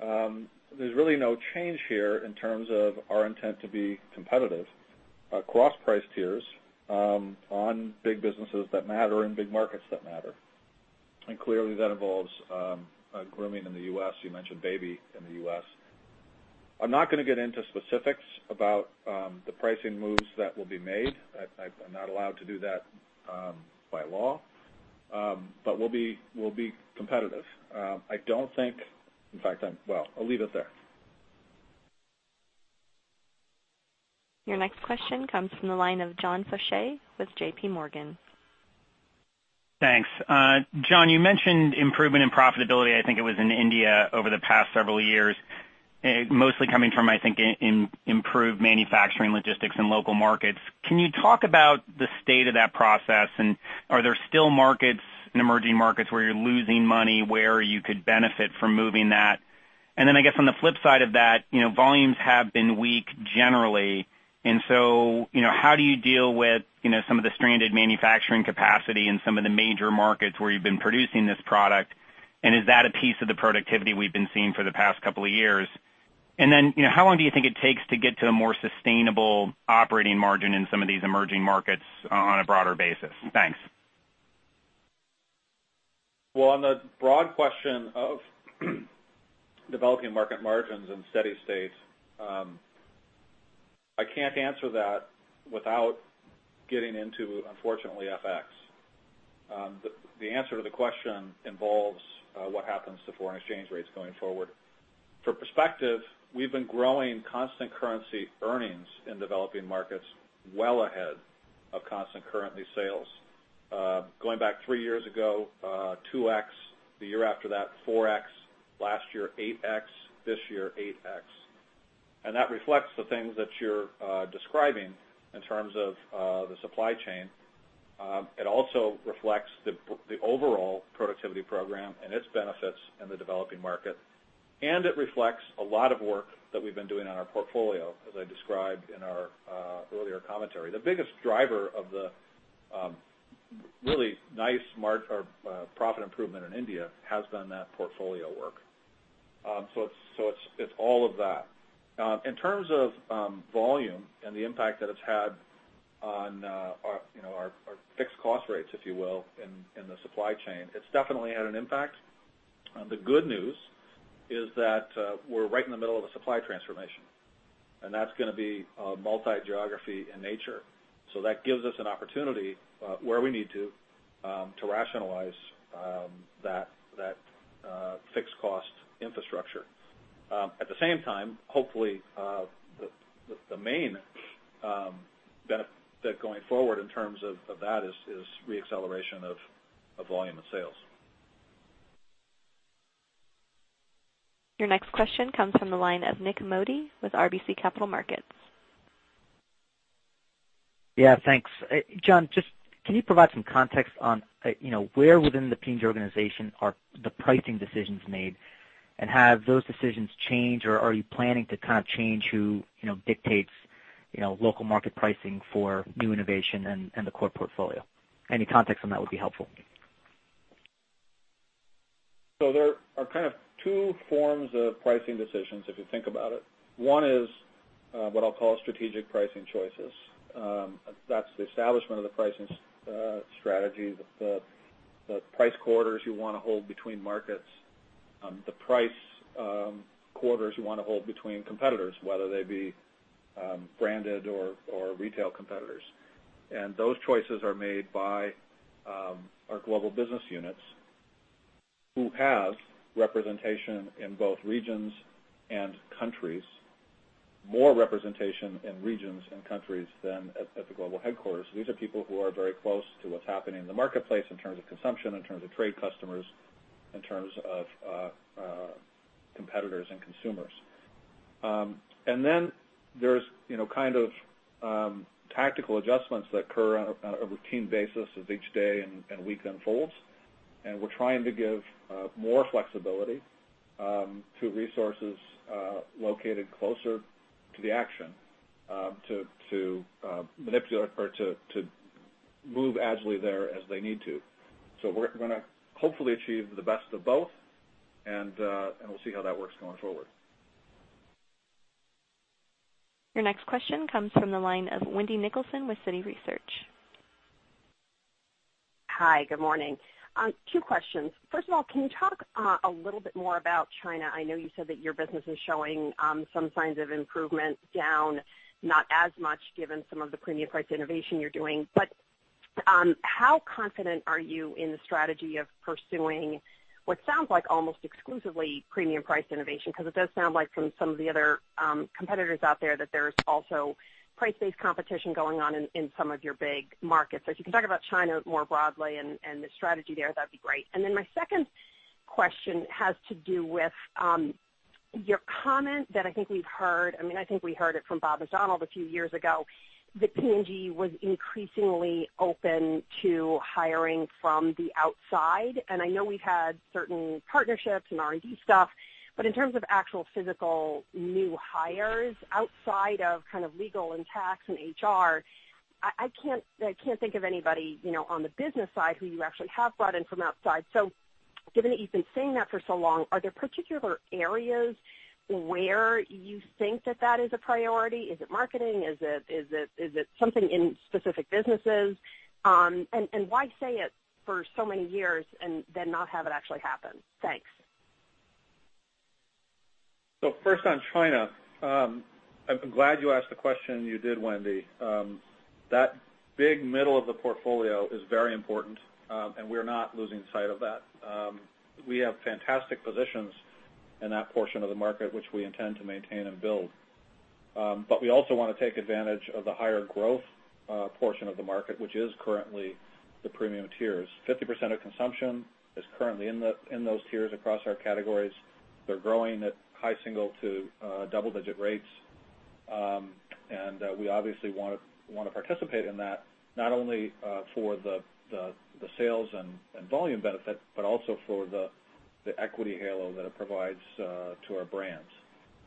there's really no change here in terms of our intent to be competitive across price tiers on big businesses that matter in big markets that matter. Clearly, that involves grooming in the U.S. You mentioned baby in the U.S. I'm not going to get into specifics about the pricing moves that will be made. I'm not allowed to do that by law, but we'll be competitive. In fact, well, I'll leave it there. Your next question comes from the line of John Faucher with JPMorgan. Thanks. John, you mentioned improvement in profitability, I think it was in India over the past several years, mostly coming from, I think, improved manufacturing, logistics, and local markets. Can you talk about the state of that process, and are there still markets in emerging markets where you're losing money, where you could benefit from moving that? I guess on the flip side of that, volumes have been weak generally. How do you deal with some of the stranded manufacturing capacity in some of the major markets where you've been producing this product? Is that a piece of the productivity we've been seeing for the past couple of years? How long do you think it takes to get to a more sustainable operating margin in some of these emerging markets on a broader basis? Thanks. Well, on the broad question of developing market margins in steady states, I can't answer that without getting into, unfortunately, FX. The answer to the question involves what happens to foreign exchange rates going forward. For perspective, we've been growing constant currency earnings in developing markets well ahead of constant currency sales. Going back three years ago, 2x. The year after that, 4x. Last year, 8x. This year, 8x. That reflects the things that you're describing in terms of the supply chain. It also reflects the overall productivity program and its benefits in the developing market. It reflects a lot of work that we've been doing on our portfolio, as I described in our earlier commentary. The biggest driver of the really nice profit improvement in India has been that portfolio work. It's all of that. In terms of volume and the impact that it's had on our fixed cost rates, if you will, in the supply chain, it's definitely had an impact. The good news is that we're right in the middle of a supply transformation, that's going to be multi-geography in nature. That gives us an opportunity where we need to rationalize that fixed cost infrastructure. At the same time, hopefully, the main benefit going forward in terms of that is re-acceleration of volume of sales. Your next question comes from the line of Nik Modi with RBC Capital Markets. Yeah, thanks. John, can you provide some context on where within the P&G organization are the pricing decisions made, have those decisions changed, are you planning to change who dictates local market pricing for new innovation and the core portfolio? Any context on that would be helpful. There are kind of two forms of pricing decisions if you think about it. One is what I'll call strategic pricing choices. That's the establishment of the pricing strategy, the price corridors you want to hold between markets, the price corridors you want to hold between competitors, whether they be branded or retail competitors. Those choices are made by our global business units who have representation in both regions and countries, more representation in regions and countries than at the global headquarters. These are people who are very close to what's happening in the marketplace in terms of consumption, in terms of trade customers, in terms of competitors and consumers. There's tactical adjustments that occur on a routine basis as each day and week unfolds, and we're trying to give more flexibility to resources located closer to the action to move agilely there as they need to. We're going to hopefully achieve the best of both, and we'll see how that works going forward. Your next question comes from the line of Wendy Nicholson with Citi Research. Hi, good morning. Two questions. First of all, can you talk a little bit more about China? I know you said that your business is showing some signs of improvement down not as much given some of the premium price innovation you're doing. How confident are you in the strategy of pursuing what sounds like almost exclusively premium price innovation? It does sound like from some of the other competitors out there that there's also price-based competition going on in some of your big markets. If you can talk about China more broadly and the strategy there, that'd be great. My second question has to do with your comment that I think we've heard. I think we heard it from Bob McDonald a few years ago, that P&G was increasingly open to hiring from the outside. I know we've had certain partnerships and R&D stuff, but in terms of actual physical new hires outside of kind of legal and tax and HR, I can't think of anybody on the business side who you actually have brought in from outside. Given that you've been saying that for so long, are there particular areas where you think that that is a priority? Is it marketing? Is it something in specific businesses? Why say it for so many years and then not have it actually happen? Thanks. First, on China, I'm glad you asked the question you did, Wendy. That big middle of the portfolio is very important, and we're not losing sight of that. We have fantastic positions in that portion of the market, which we intend to maintain and build. We also want to take advantage of the higher growth portion of the market, which is currently the premium tiers. 50% of consumption is currently in those tiers across our categories. They're growing at high single to double-digit rates. We obviously want to participate in that, not only for the sales and volume benefit, but also for the equity halo that it provides to our brands.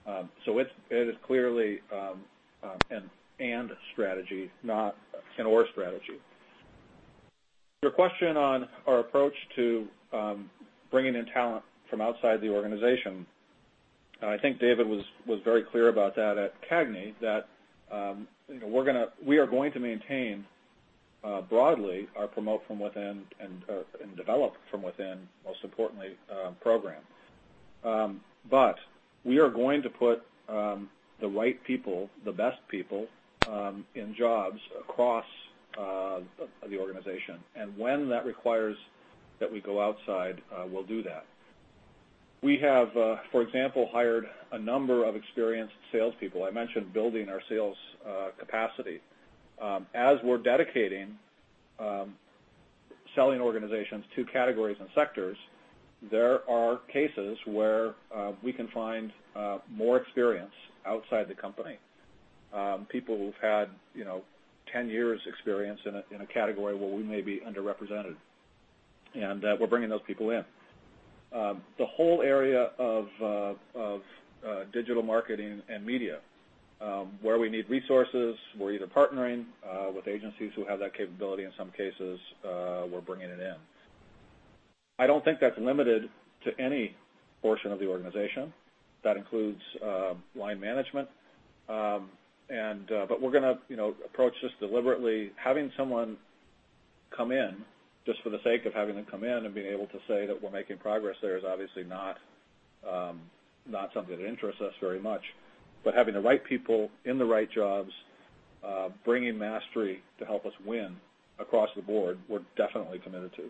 It is clearly an and strategy, not an or strategy. Your question on our approach to bringing in talent from outside the organization. I think David was very clear about that at CAGNY, that we are going to maintain broadly our promote from within and develop from within, most importantly, program. We are going to put the right people, the best people, in jobs across the organization. When that requires that we go outside, we'll do that. We have, for example, hired a number of experienced salespeople. I mentioned building our sales capacity. As we're dedicating selling organizations to categories and sectors, there are cases where we can find more experience outside the company. People who've had 10 years experience in a category where we may be underrepresented. We're bringing those people in. The whole area of digital marketing and media, where we need resources, we're either partnering with agencies who have that capability, in some cases we're bringing it in. I don't think that's limited to any portion of the organization. That includes line management. We're going to approach this deliberately. Having someone come in just for the sake of having them come in and being able to say that we're making progress there is obviously not something that interests us very much. Having the right people in the right jobs, bringing mastery to help us win across the board, we're definitely committed to.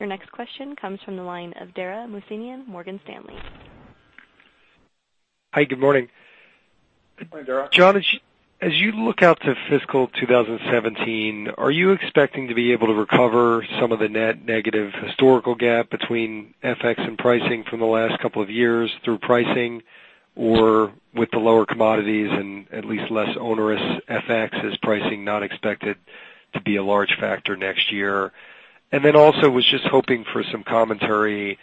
Your next question comes from the line of Dara Mohsenian, Morgan Stanley. Hi, good morning. Hi, Dara. John, as you look out to fiscal 2017, are you expecting to be able to recover some of the net negative historical gap between FX and pricing from the last couple of years through pricing? With the lower commodities and at least less onerous FX, is pricing not expected to be a large factor next year? Also was just hoping for some commentary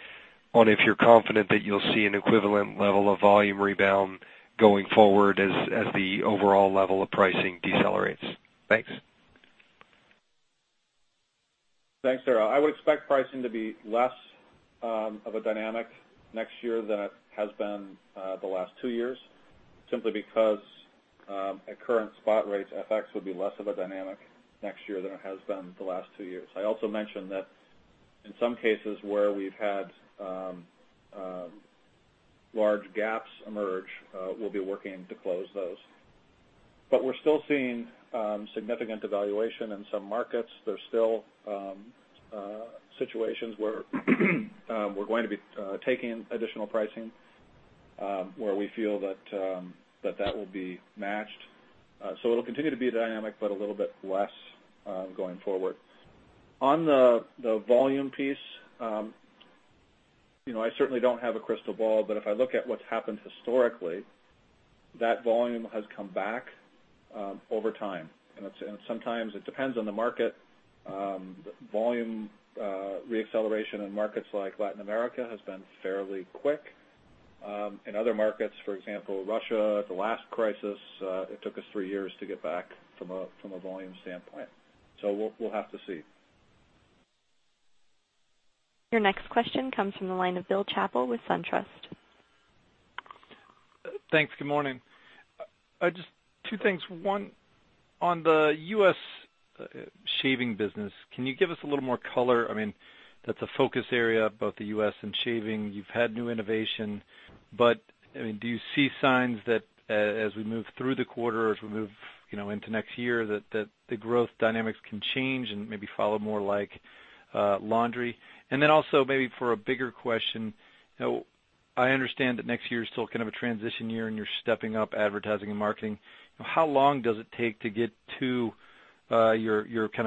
on if you're confident that you'll see an equivalent level of volume rebound going forward as the overall level of pricing decelerates. Thanks. Thanks, Dara. I would expect pricing to be less of a dynamic next year than it has been the last two years, simply because at current spot rates, FX will be less of a dynamic next year than it has been the last two years. I also mentioned that in some cases where we've had large gaps emerge, we'll be working to close those. We're still seeing significant devaluation in some markets. There's still situations where we're going to be taking additional pricing, where we feel that will be matched. It'll continue to be a dynamic, but a little bit less going forward. On the volume piece, I certainly don't have a crystal ball, but if I look at what's happened historically, that volume has come back over time. Sometimes it depends on the market. Volume re-acceleration in markets like Latin America has been fairly quick. In other markets, for example, Russia, the last crisis, it took us three years to get back from a volume standpoint. We'll have to see. Your next question comes from the line of Bill Chappell with SunTrust. Thanks. Good morning. Just two things. One, on the U.S. shaving business, can you give us a little more color? That's a focus area, both the U.S. and shaving. You've had new innovation. Do you see signs that as we move through the quarter, as we move into next year, that the growth dynamics can change and maybe follow more like laundry? Also maybe for a bigger question, I understand that next year is still kind of a transition year and you're stepping up advertising and marketing. How long does it take to get to your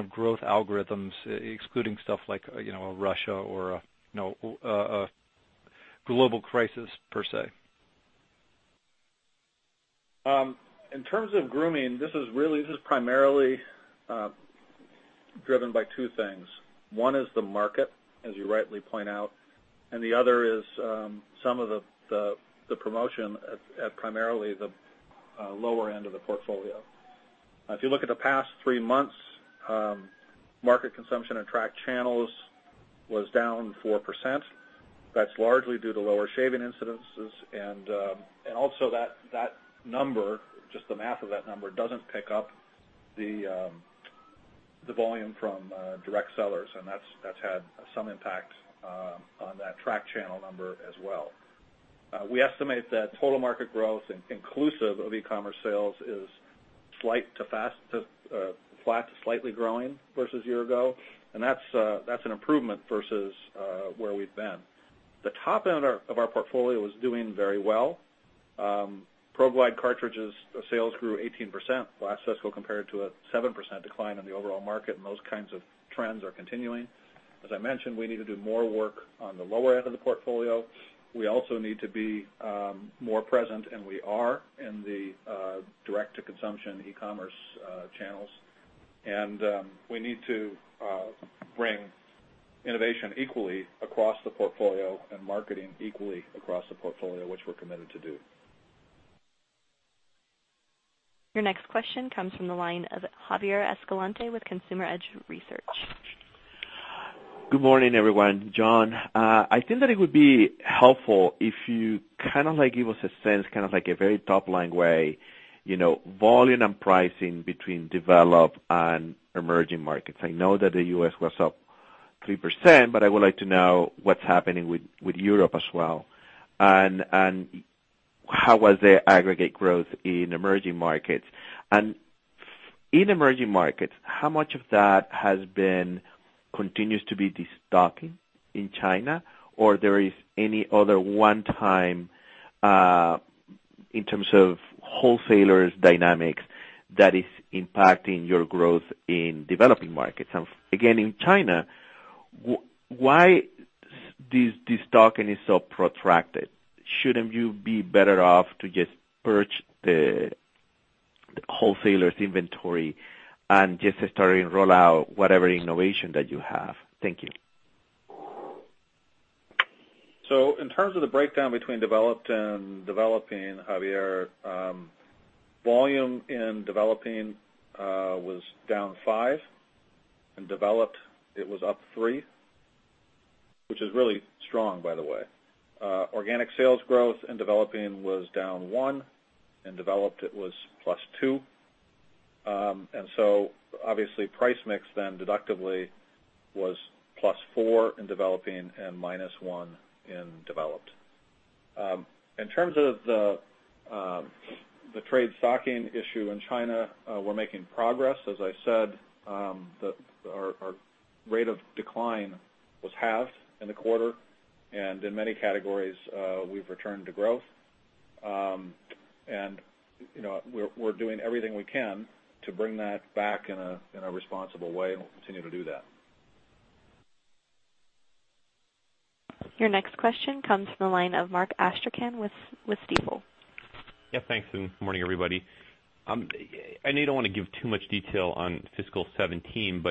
growth algorithms, excluding stuff like Russia or a global crisis, per se? In terms of grooming, this is primarily driven by two things. One is the market, as you rightly point out, and the other is some of the promotion at primarily the lower end of the portfolio. If you look at the past three months, market consumption and track channels was down 4%. That's largely due to lower shaving incidences, and also that number, just the math of that number, doesn't pick up the volume from direct sellers, and that's had some impact on that track channel number as well. We estimate that total market growth, inclusive of e-commerce sales, is flat to slightly growing versus year ago, and that's an improvement versus where we've been. The top end of our portfolio is doing very well. ProGlide cartridges sales grew 18% last fiscal compared to a 7% decline in the overall market, and those kinds of trends are continuing. As I mentioned, we need to do more work on the lower end of the portfolio. We also need to be more present, and we are in the direct-to-consumption e-commerce channels. We need to bring innovation equally across the portfolio and marketing equally across the portfolio, which we're committed to do. Your next question comes from the line of Javier Escalante with Consumer Edge Research. Good morning, everyone. John, I think that it would be helpful if you give us a sense, like a very top-line way, volume and pricing between developed and emerging markets. I know that the U.S. was up 3%, but I would like to know what is happening with Europe as well, and how was the aggregate growth in emerging markets. In emerging markets, how much of that continues to be destocking in China? Or there is any other one-time in terms of wholesalers dynamics that is impacting your growth in developing markets? Again, in China, why destocking is so protracted? Shouldn't you be better off to just purge the wholesalers inventory and just start and roll out whatever innovation that you have? Thank you. In terms of the breakdown between developed and developing, Javier, volume in developing was down five, in developed it was up three, which is really strong, by the way. Organic sales growth in developing was down one, in developed it was plus two. Obviously price mix then deductibly was plus four in developing and minus one in developed. In terms of the trade stocking issue in China, we are making progress. As I said, our rate of decline was halved in the quarter, and in many categories, we have returned to growth. We are doing everything we can to bring that back in a responsible way, and we will continue to do that. Your next question comes from the line of Mark Astrachan with Stifel. Thanks, good morning, everybody. I know you do not want to give too much detail on fiscal 2017,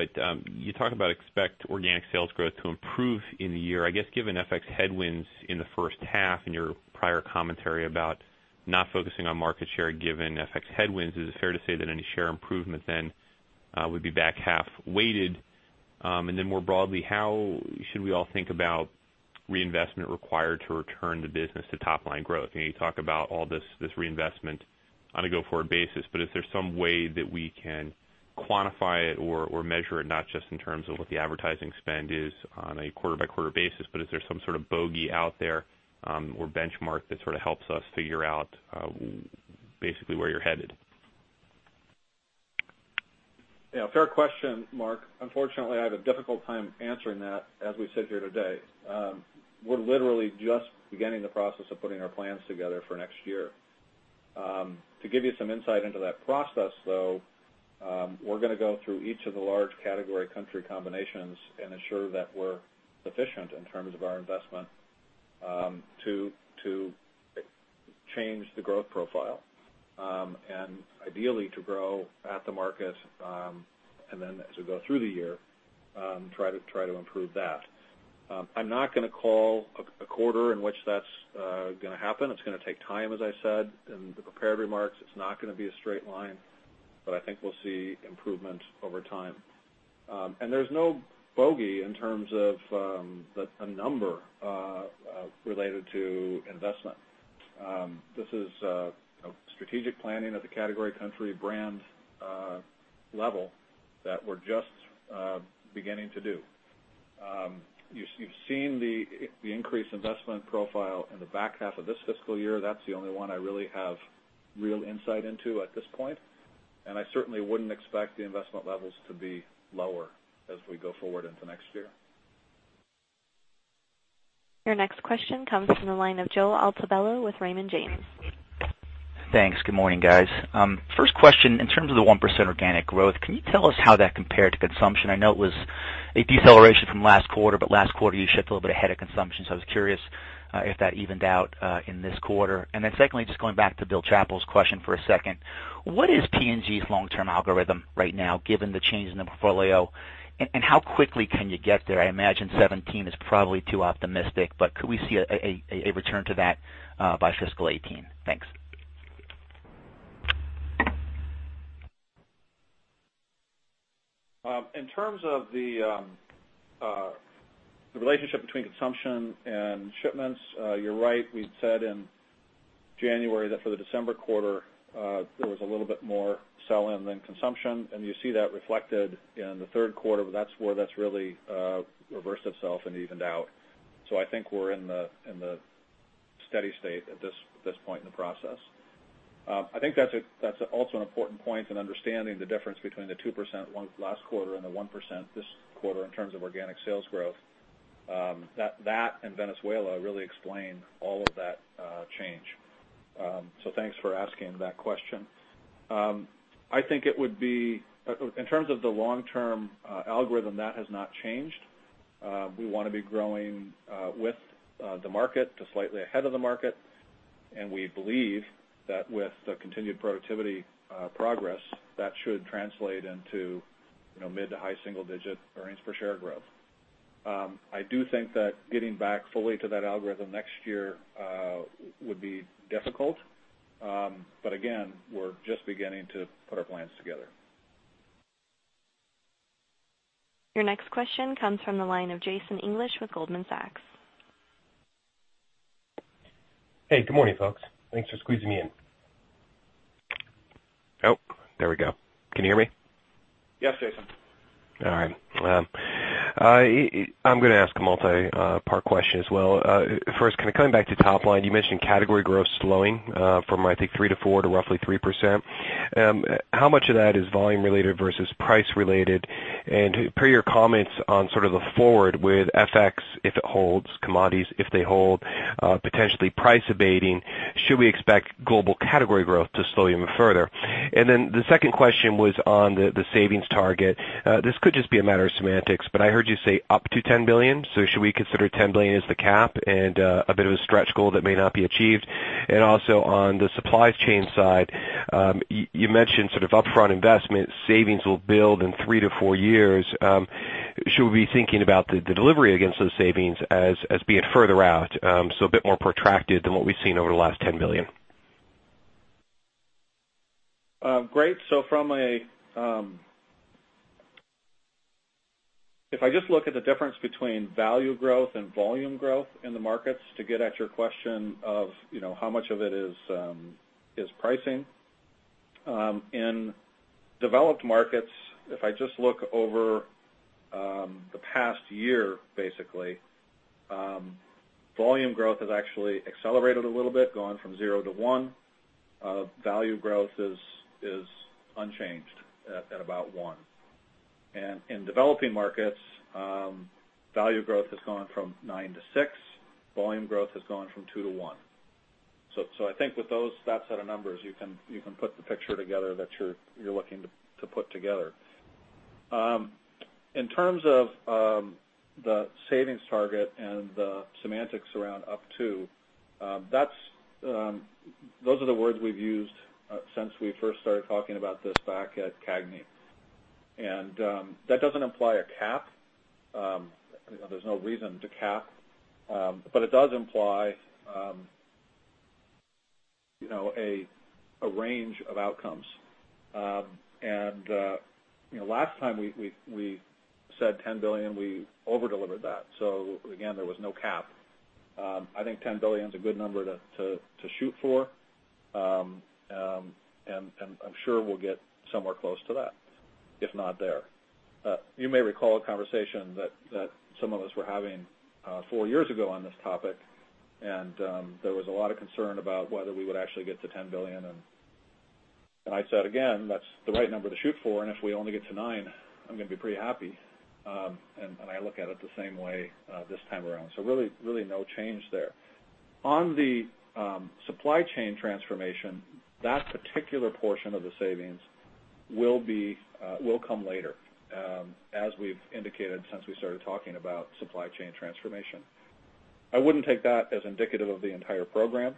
you talk about expect organic sales growth to improve in the year. I guess given FX headwinds in the first half and your prior commentary about not focusing on market share given FX headwinds, is it fair to say that any share improvement then would be back half-weighted? More broadly, how should we all think about reinvestment required to return the business to top-line growth? You talk about all this reinvestment on a go-forward basis, but is there some way that we can quantify it or measure it, not just in terms of what the advertising spend is on a quarter-by-quarter basis, but is there some sort of bogey out there or benchmark that sort of helps us figure out basically where you are headed? Yeah, fair question, Mark. Unfortunately, I have a difficult time answering that as we sit here today. We're literally just beginning the process of putting our plans together for next year. To give you some insight into that process, though, we're going to go through each of the large category country combinations and ensure that we're sufficient in terms of our investment to change the growth profile, and ideally to grow at the market, and then as we go through the year, try to improve that. I'm not going to call a quarter in which that's going to happen. It's going to take time, as I said in the prepared remarks. It's not going to be a straight line, but I think we'll see improvement over time. There's no bogey in terms of a number related to investment. This is strategic planning at the category country brand level that we're just beginning to do. You've seen the increased investment profile in the back half of this fiscal year. That's the only one I really have real insight into at this point. I certainly wouldn't expect the investment levels to be lower as we go forward into next year. Your next question comes from the line of Joe Altobello with Raymond James. Thanks. Good morning, guys. First question, in terms of the 1% organic growth, can you tell us how that compared to consumption? I know it was a deceleration from last quarter, last quarter you shipped a little bit ahead of consumption. I was curious if that evened out in this quarter. Secondly, just going back to Bill Chappell's question for a second. What is P&G's long-term algorithm right now, given the change in the portfolio? How quickly can you get there? I imagine 2017 is probably too optimistic, but could we see a return to that by FY 2018? Thanks. In terms of the relationship between consumption and shipments, you're right. We said in January that for the December quarter, there was a little bit more sell-in than consumption, and you see that reflected in the third quarter, that's where that's really reversed itself and evened out. I think we're in the steady state at this point in the process. I think that's also an important point in understanding the difference between the 2% last quarter and the 1% this quarter, in terms of organic sales growth. That and Venezuela really explain all of that change. Thanks for asking that question. In terms of the long-term algorithm, that has not changed. We want to be growing with the market to slightly ahead of the market, and we believe that with the continued productivity progress, that should translate into mid to high single-digit earnings per share growth. I do think that getting back fully to that algorithm next year would be difficult. Again, we're just beginning to put our plans together. Your next question comes from the line of Jason English with Goldman Sachs. Hey, good morning, folks. Thanks for squeezing me in. Oh, there we go. Can you hear me? Yes, Jason. All right. I'm going to ask a multi-part question as well. First, kind of coming back to top line, you mentioned category growth slowing from, I think, 3%-4% to roughly 3%. How much of that is volume related versus price related? Per your comments on sort of the forward with FX, if it holds commodities, if they hold potentially price abating, should we expect global category growth to slow even further? The second question was on the savings target. This could just be a matter of semantics, but I heard you say up to $10 billion, so should we consider $10 billion as the cap and a bit of a stretch goal that may not be achieved? Also on the supply chain side, you mentioned sort of upfront investment savings will build in three to four years. Should we be thinking about the delivery against those savings as being further out, so a bit more protracted than what we've seen over the last $10 billion? Great. If I just look at the difference between value growth and volume growth in the markets to get at your question of how much of it is pricing, in developed markets, if I just look over the past year, basically, volume growth has actually accelerated a little bit, gone from 0% to 1%. Value growth is unchanged at about 1%. In developing markets, value growth has gone from 9% to 6%. Volume growth has gone from 2% to 1%. I think with that set of numbers, you can put the picture together that you're looking to put together. In terms of the savings target and the semantics around up to, those are the words we've used since we first started talking about this back at CAGNY. That doesn't imply a cap. There's no reason to cap. It does imply a range of outcomes. Last time we said $10 billion, we over-delivered that. Again, there was no cap. I think $10 billion is a good number to shoot for, and I'm sure we'll get somewhere close to that, if not there. You may recall a conversation that some of us were having four years ago on this topic, and there was a lot of concern about whether we would actually get to $10 billion, and I said, again, that's the right number to shoot for, and if we only get to nine, I'm going to be pretty happy. I look at it the same way this time around. Really no change there. On the supply chain transformation, that particular portion of the savings will come later, as we've indicated since we started talking about supply chain transformation. I wouldn't take that as indicative of the entire program.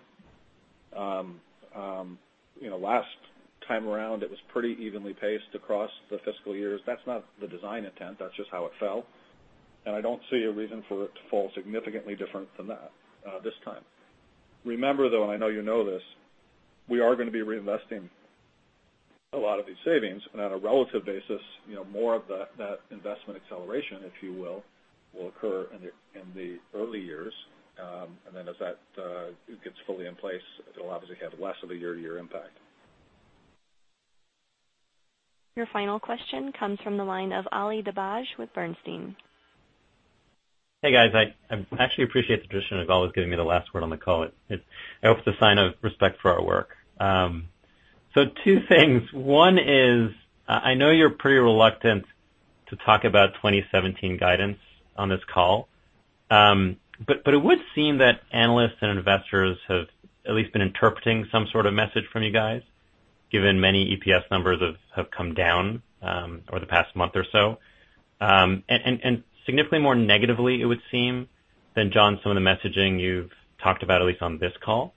Last time around, it was pretty evenly paced across the fiscal years. That's not the design intent. That's just how it fell, and I don't see a reason for it to fall significantly different than that this time. Remember, though, and I know you know this, we are going to be reinvesting a lot of these savings, and on a relative basis, more of that investment acceleration, if you will occur in the early years. Then as that gets fully in place, it'll obviously have less of a year-to-year impact. Your final question comes from the line of Ali Dibadj with Bernstein. Hey, guys. I actually appreciate the tradition of always giving me the last word on the call. I hope it's a sign of respect for our work. Two things. One is, I know you're pretty reluctant to talk about 2017 guidance on this call. It would seem that analysts and investors have at least been interpreting some sort of message from you guys, given many EPS numbers have come down over the past month or so, and significantly more negatively, it would seem. Jon, some of the messaging you've talked about, at least on this call.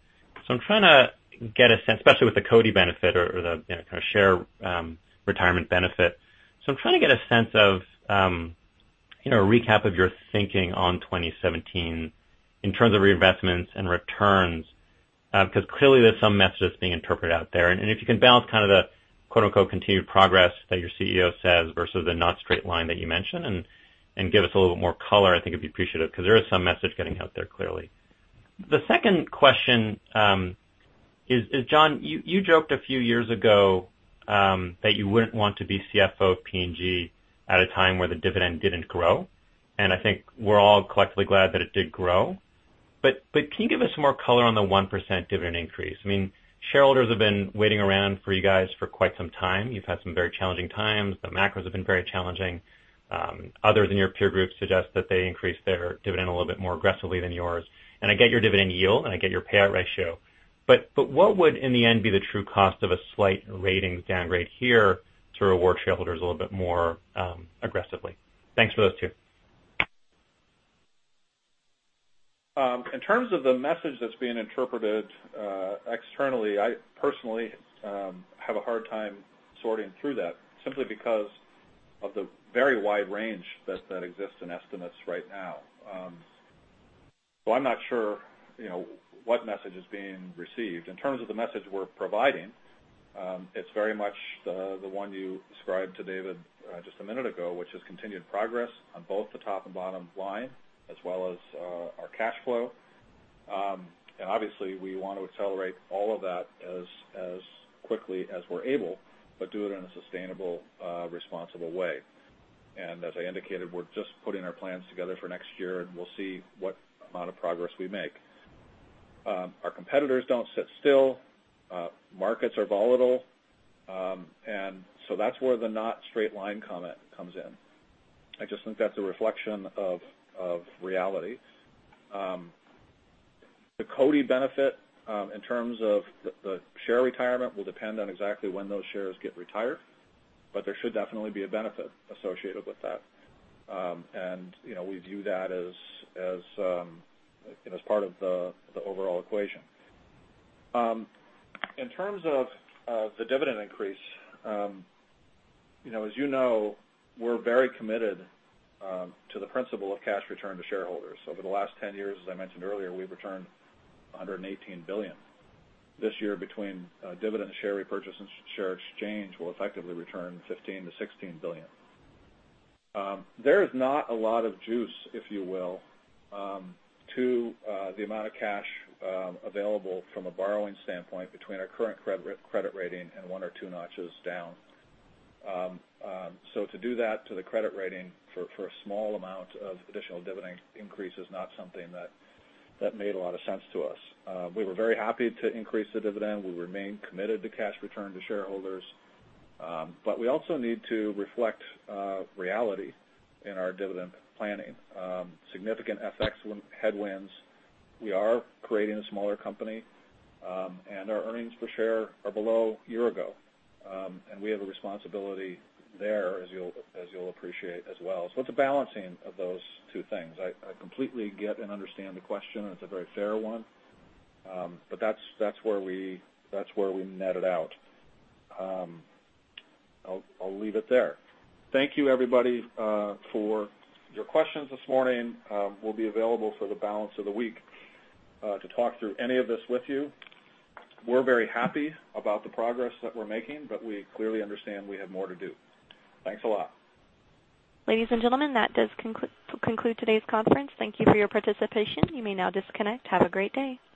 I'm trying to get a sense, especially with the Coty benefit or the kind of share retirement benefit. I'm trying to get a sense of a recap of your thinking on 2017 in terms of reinvestments and returns, because clearly there's some messages being interpreted out there. If you can balance the "continued progress" that your CEO says versus the not straight line that you mentioned, give us a little bit more color, I think it'd be appreciative because there is some message getting out there, clearly. The second question is, Jon, you joked a few years ago that you wouldn't want to be CFO of P&G at a time where the dividend didn't grow, I think we're all collectively glad that it did grow. Can you give us some more color on the 1% dividend increase? Shareholders have been waiting around for you guys for quite some time. You've had some very challenging times. The macros have been very challenging. Others in your peer groups suggest that they increase their dividend a little bit more aggressively than yours. I get your dividend yield, I get your payout ratio, what would, in the end, be the true cost of a slight ratings downgrade here to reward shareholders a little bit more aggressively? Thanks for those two. In terms of the message that's being interpreted externally, I personally have a hard time sorting through that simply because of the very wide range that exists in estimates right now. I'm not sure what message is being received. In terms of the message we're providing, it's very much the one you described to David just a minute ago, which is continued progress on both the top and bottom line, as well as our cash flow. Obviously, we want to accelerate all of that as quickly as we're able, but do it in a sustainable, responsible way. As I indicated, we're just putting our plans together for next year, we'll see what amount of progress we make. Our competitors don't sit still. Markets are volatile. That's where the not straight line comment comes in. I just think that's a reflection of reality. The Coty benefit, in terms of the share retirement, will depend on exactly when those shares get retired, there should definitely be a benefit associated with that. We view that as part of the overall equation. In terms of the dividend increase, as you know, we're very committed to the principle of cash return to shareholders. Over the last 10 years, as I mentioned earlier, we've returned $118 billion. This year, between dividend share repurchase and share exchange, we'll effectively return $15 billion-$16 billion. There is not a lot of juice, if you will, to the amount of cash available from a borrowing standpoint between our current credit rating and one or two notches down. To do that to the credit rating for a small amount of additional dividend increase is not something that made a lot of sense to us. We were very happy to increase the dividend. We remain committed to cash return to shareholders. We also need to reflect reality in our dividend planning. Significant FX headwinds. We are creating a smaller company, and our earnings per share are below year ago. We have a responsibility there, as you'll appreciate as well. It's a balancing of those two things. I completely get and understand the question, and it's a very fair one. That's where we net it out. I'll leave it there. Thank you, everybody, for your questions this morning. We'll be available for the balance of the week to talk through any of this with you. We're very happy about the progress that we're making, but we clearly understand we have more to do. Thanks a lot. Ladies and gentlemen, that does conclude today's conference. Thank you for your participation. You may now disconnect. Have a great day.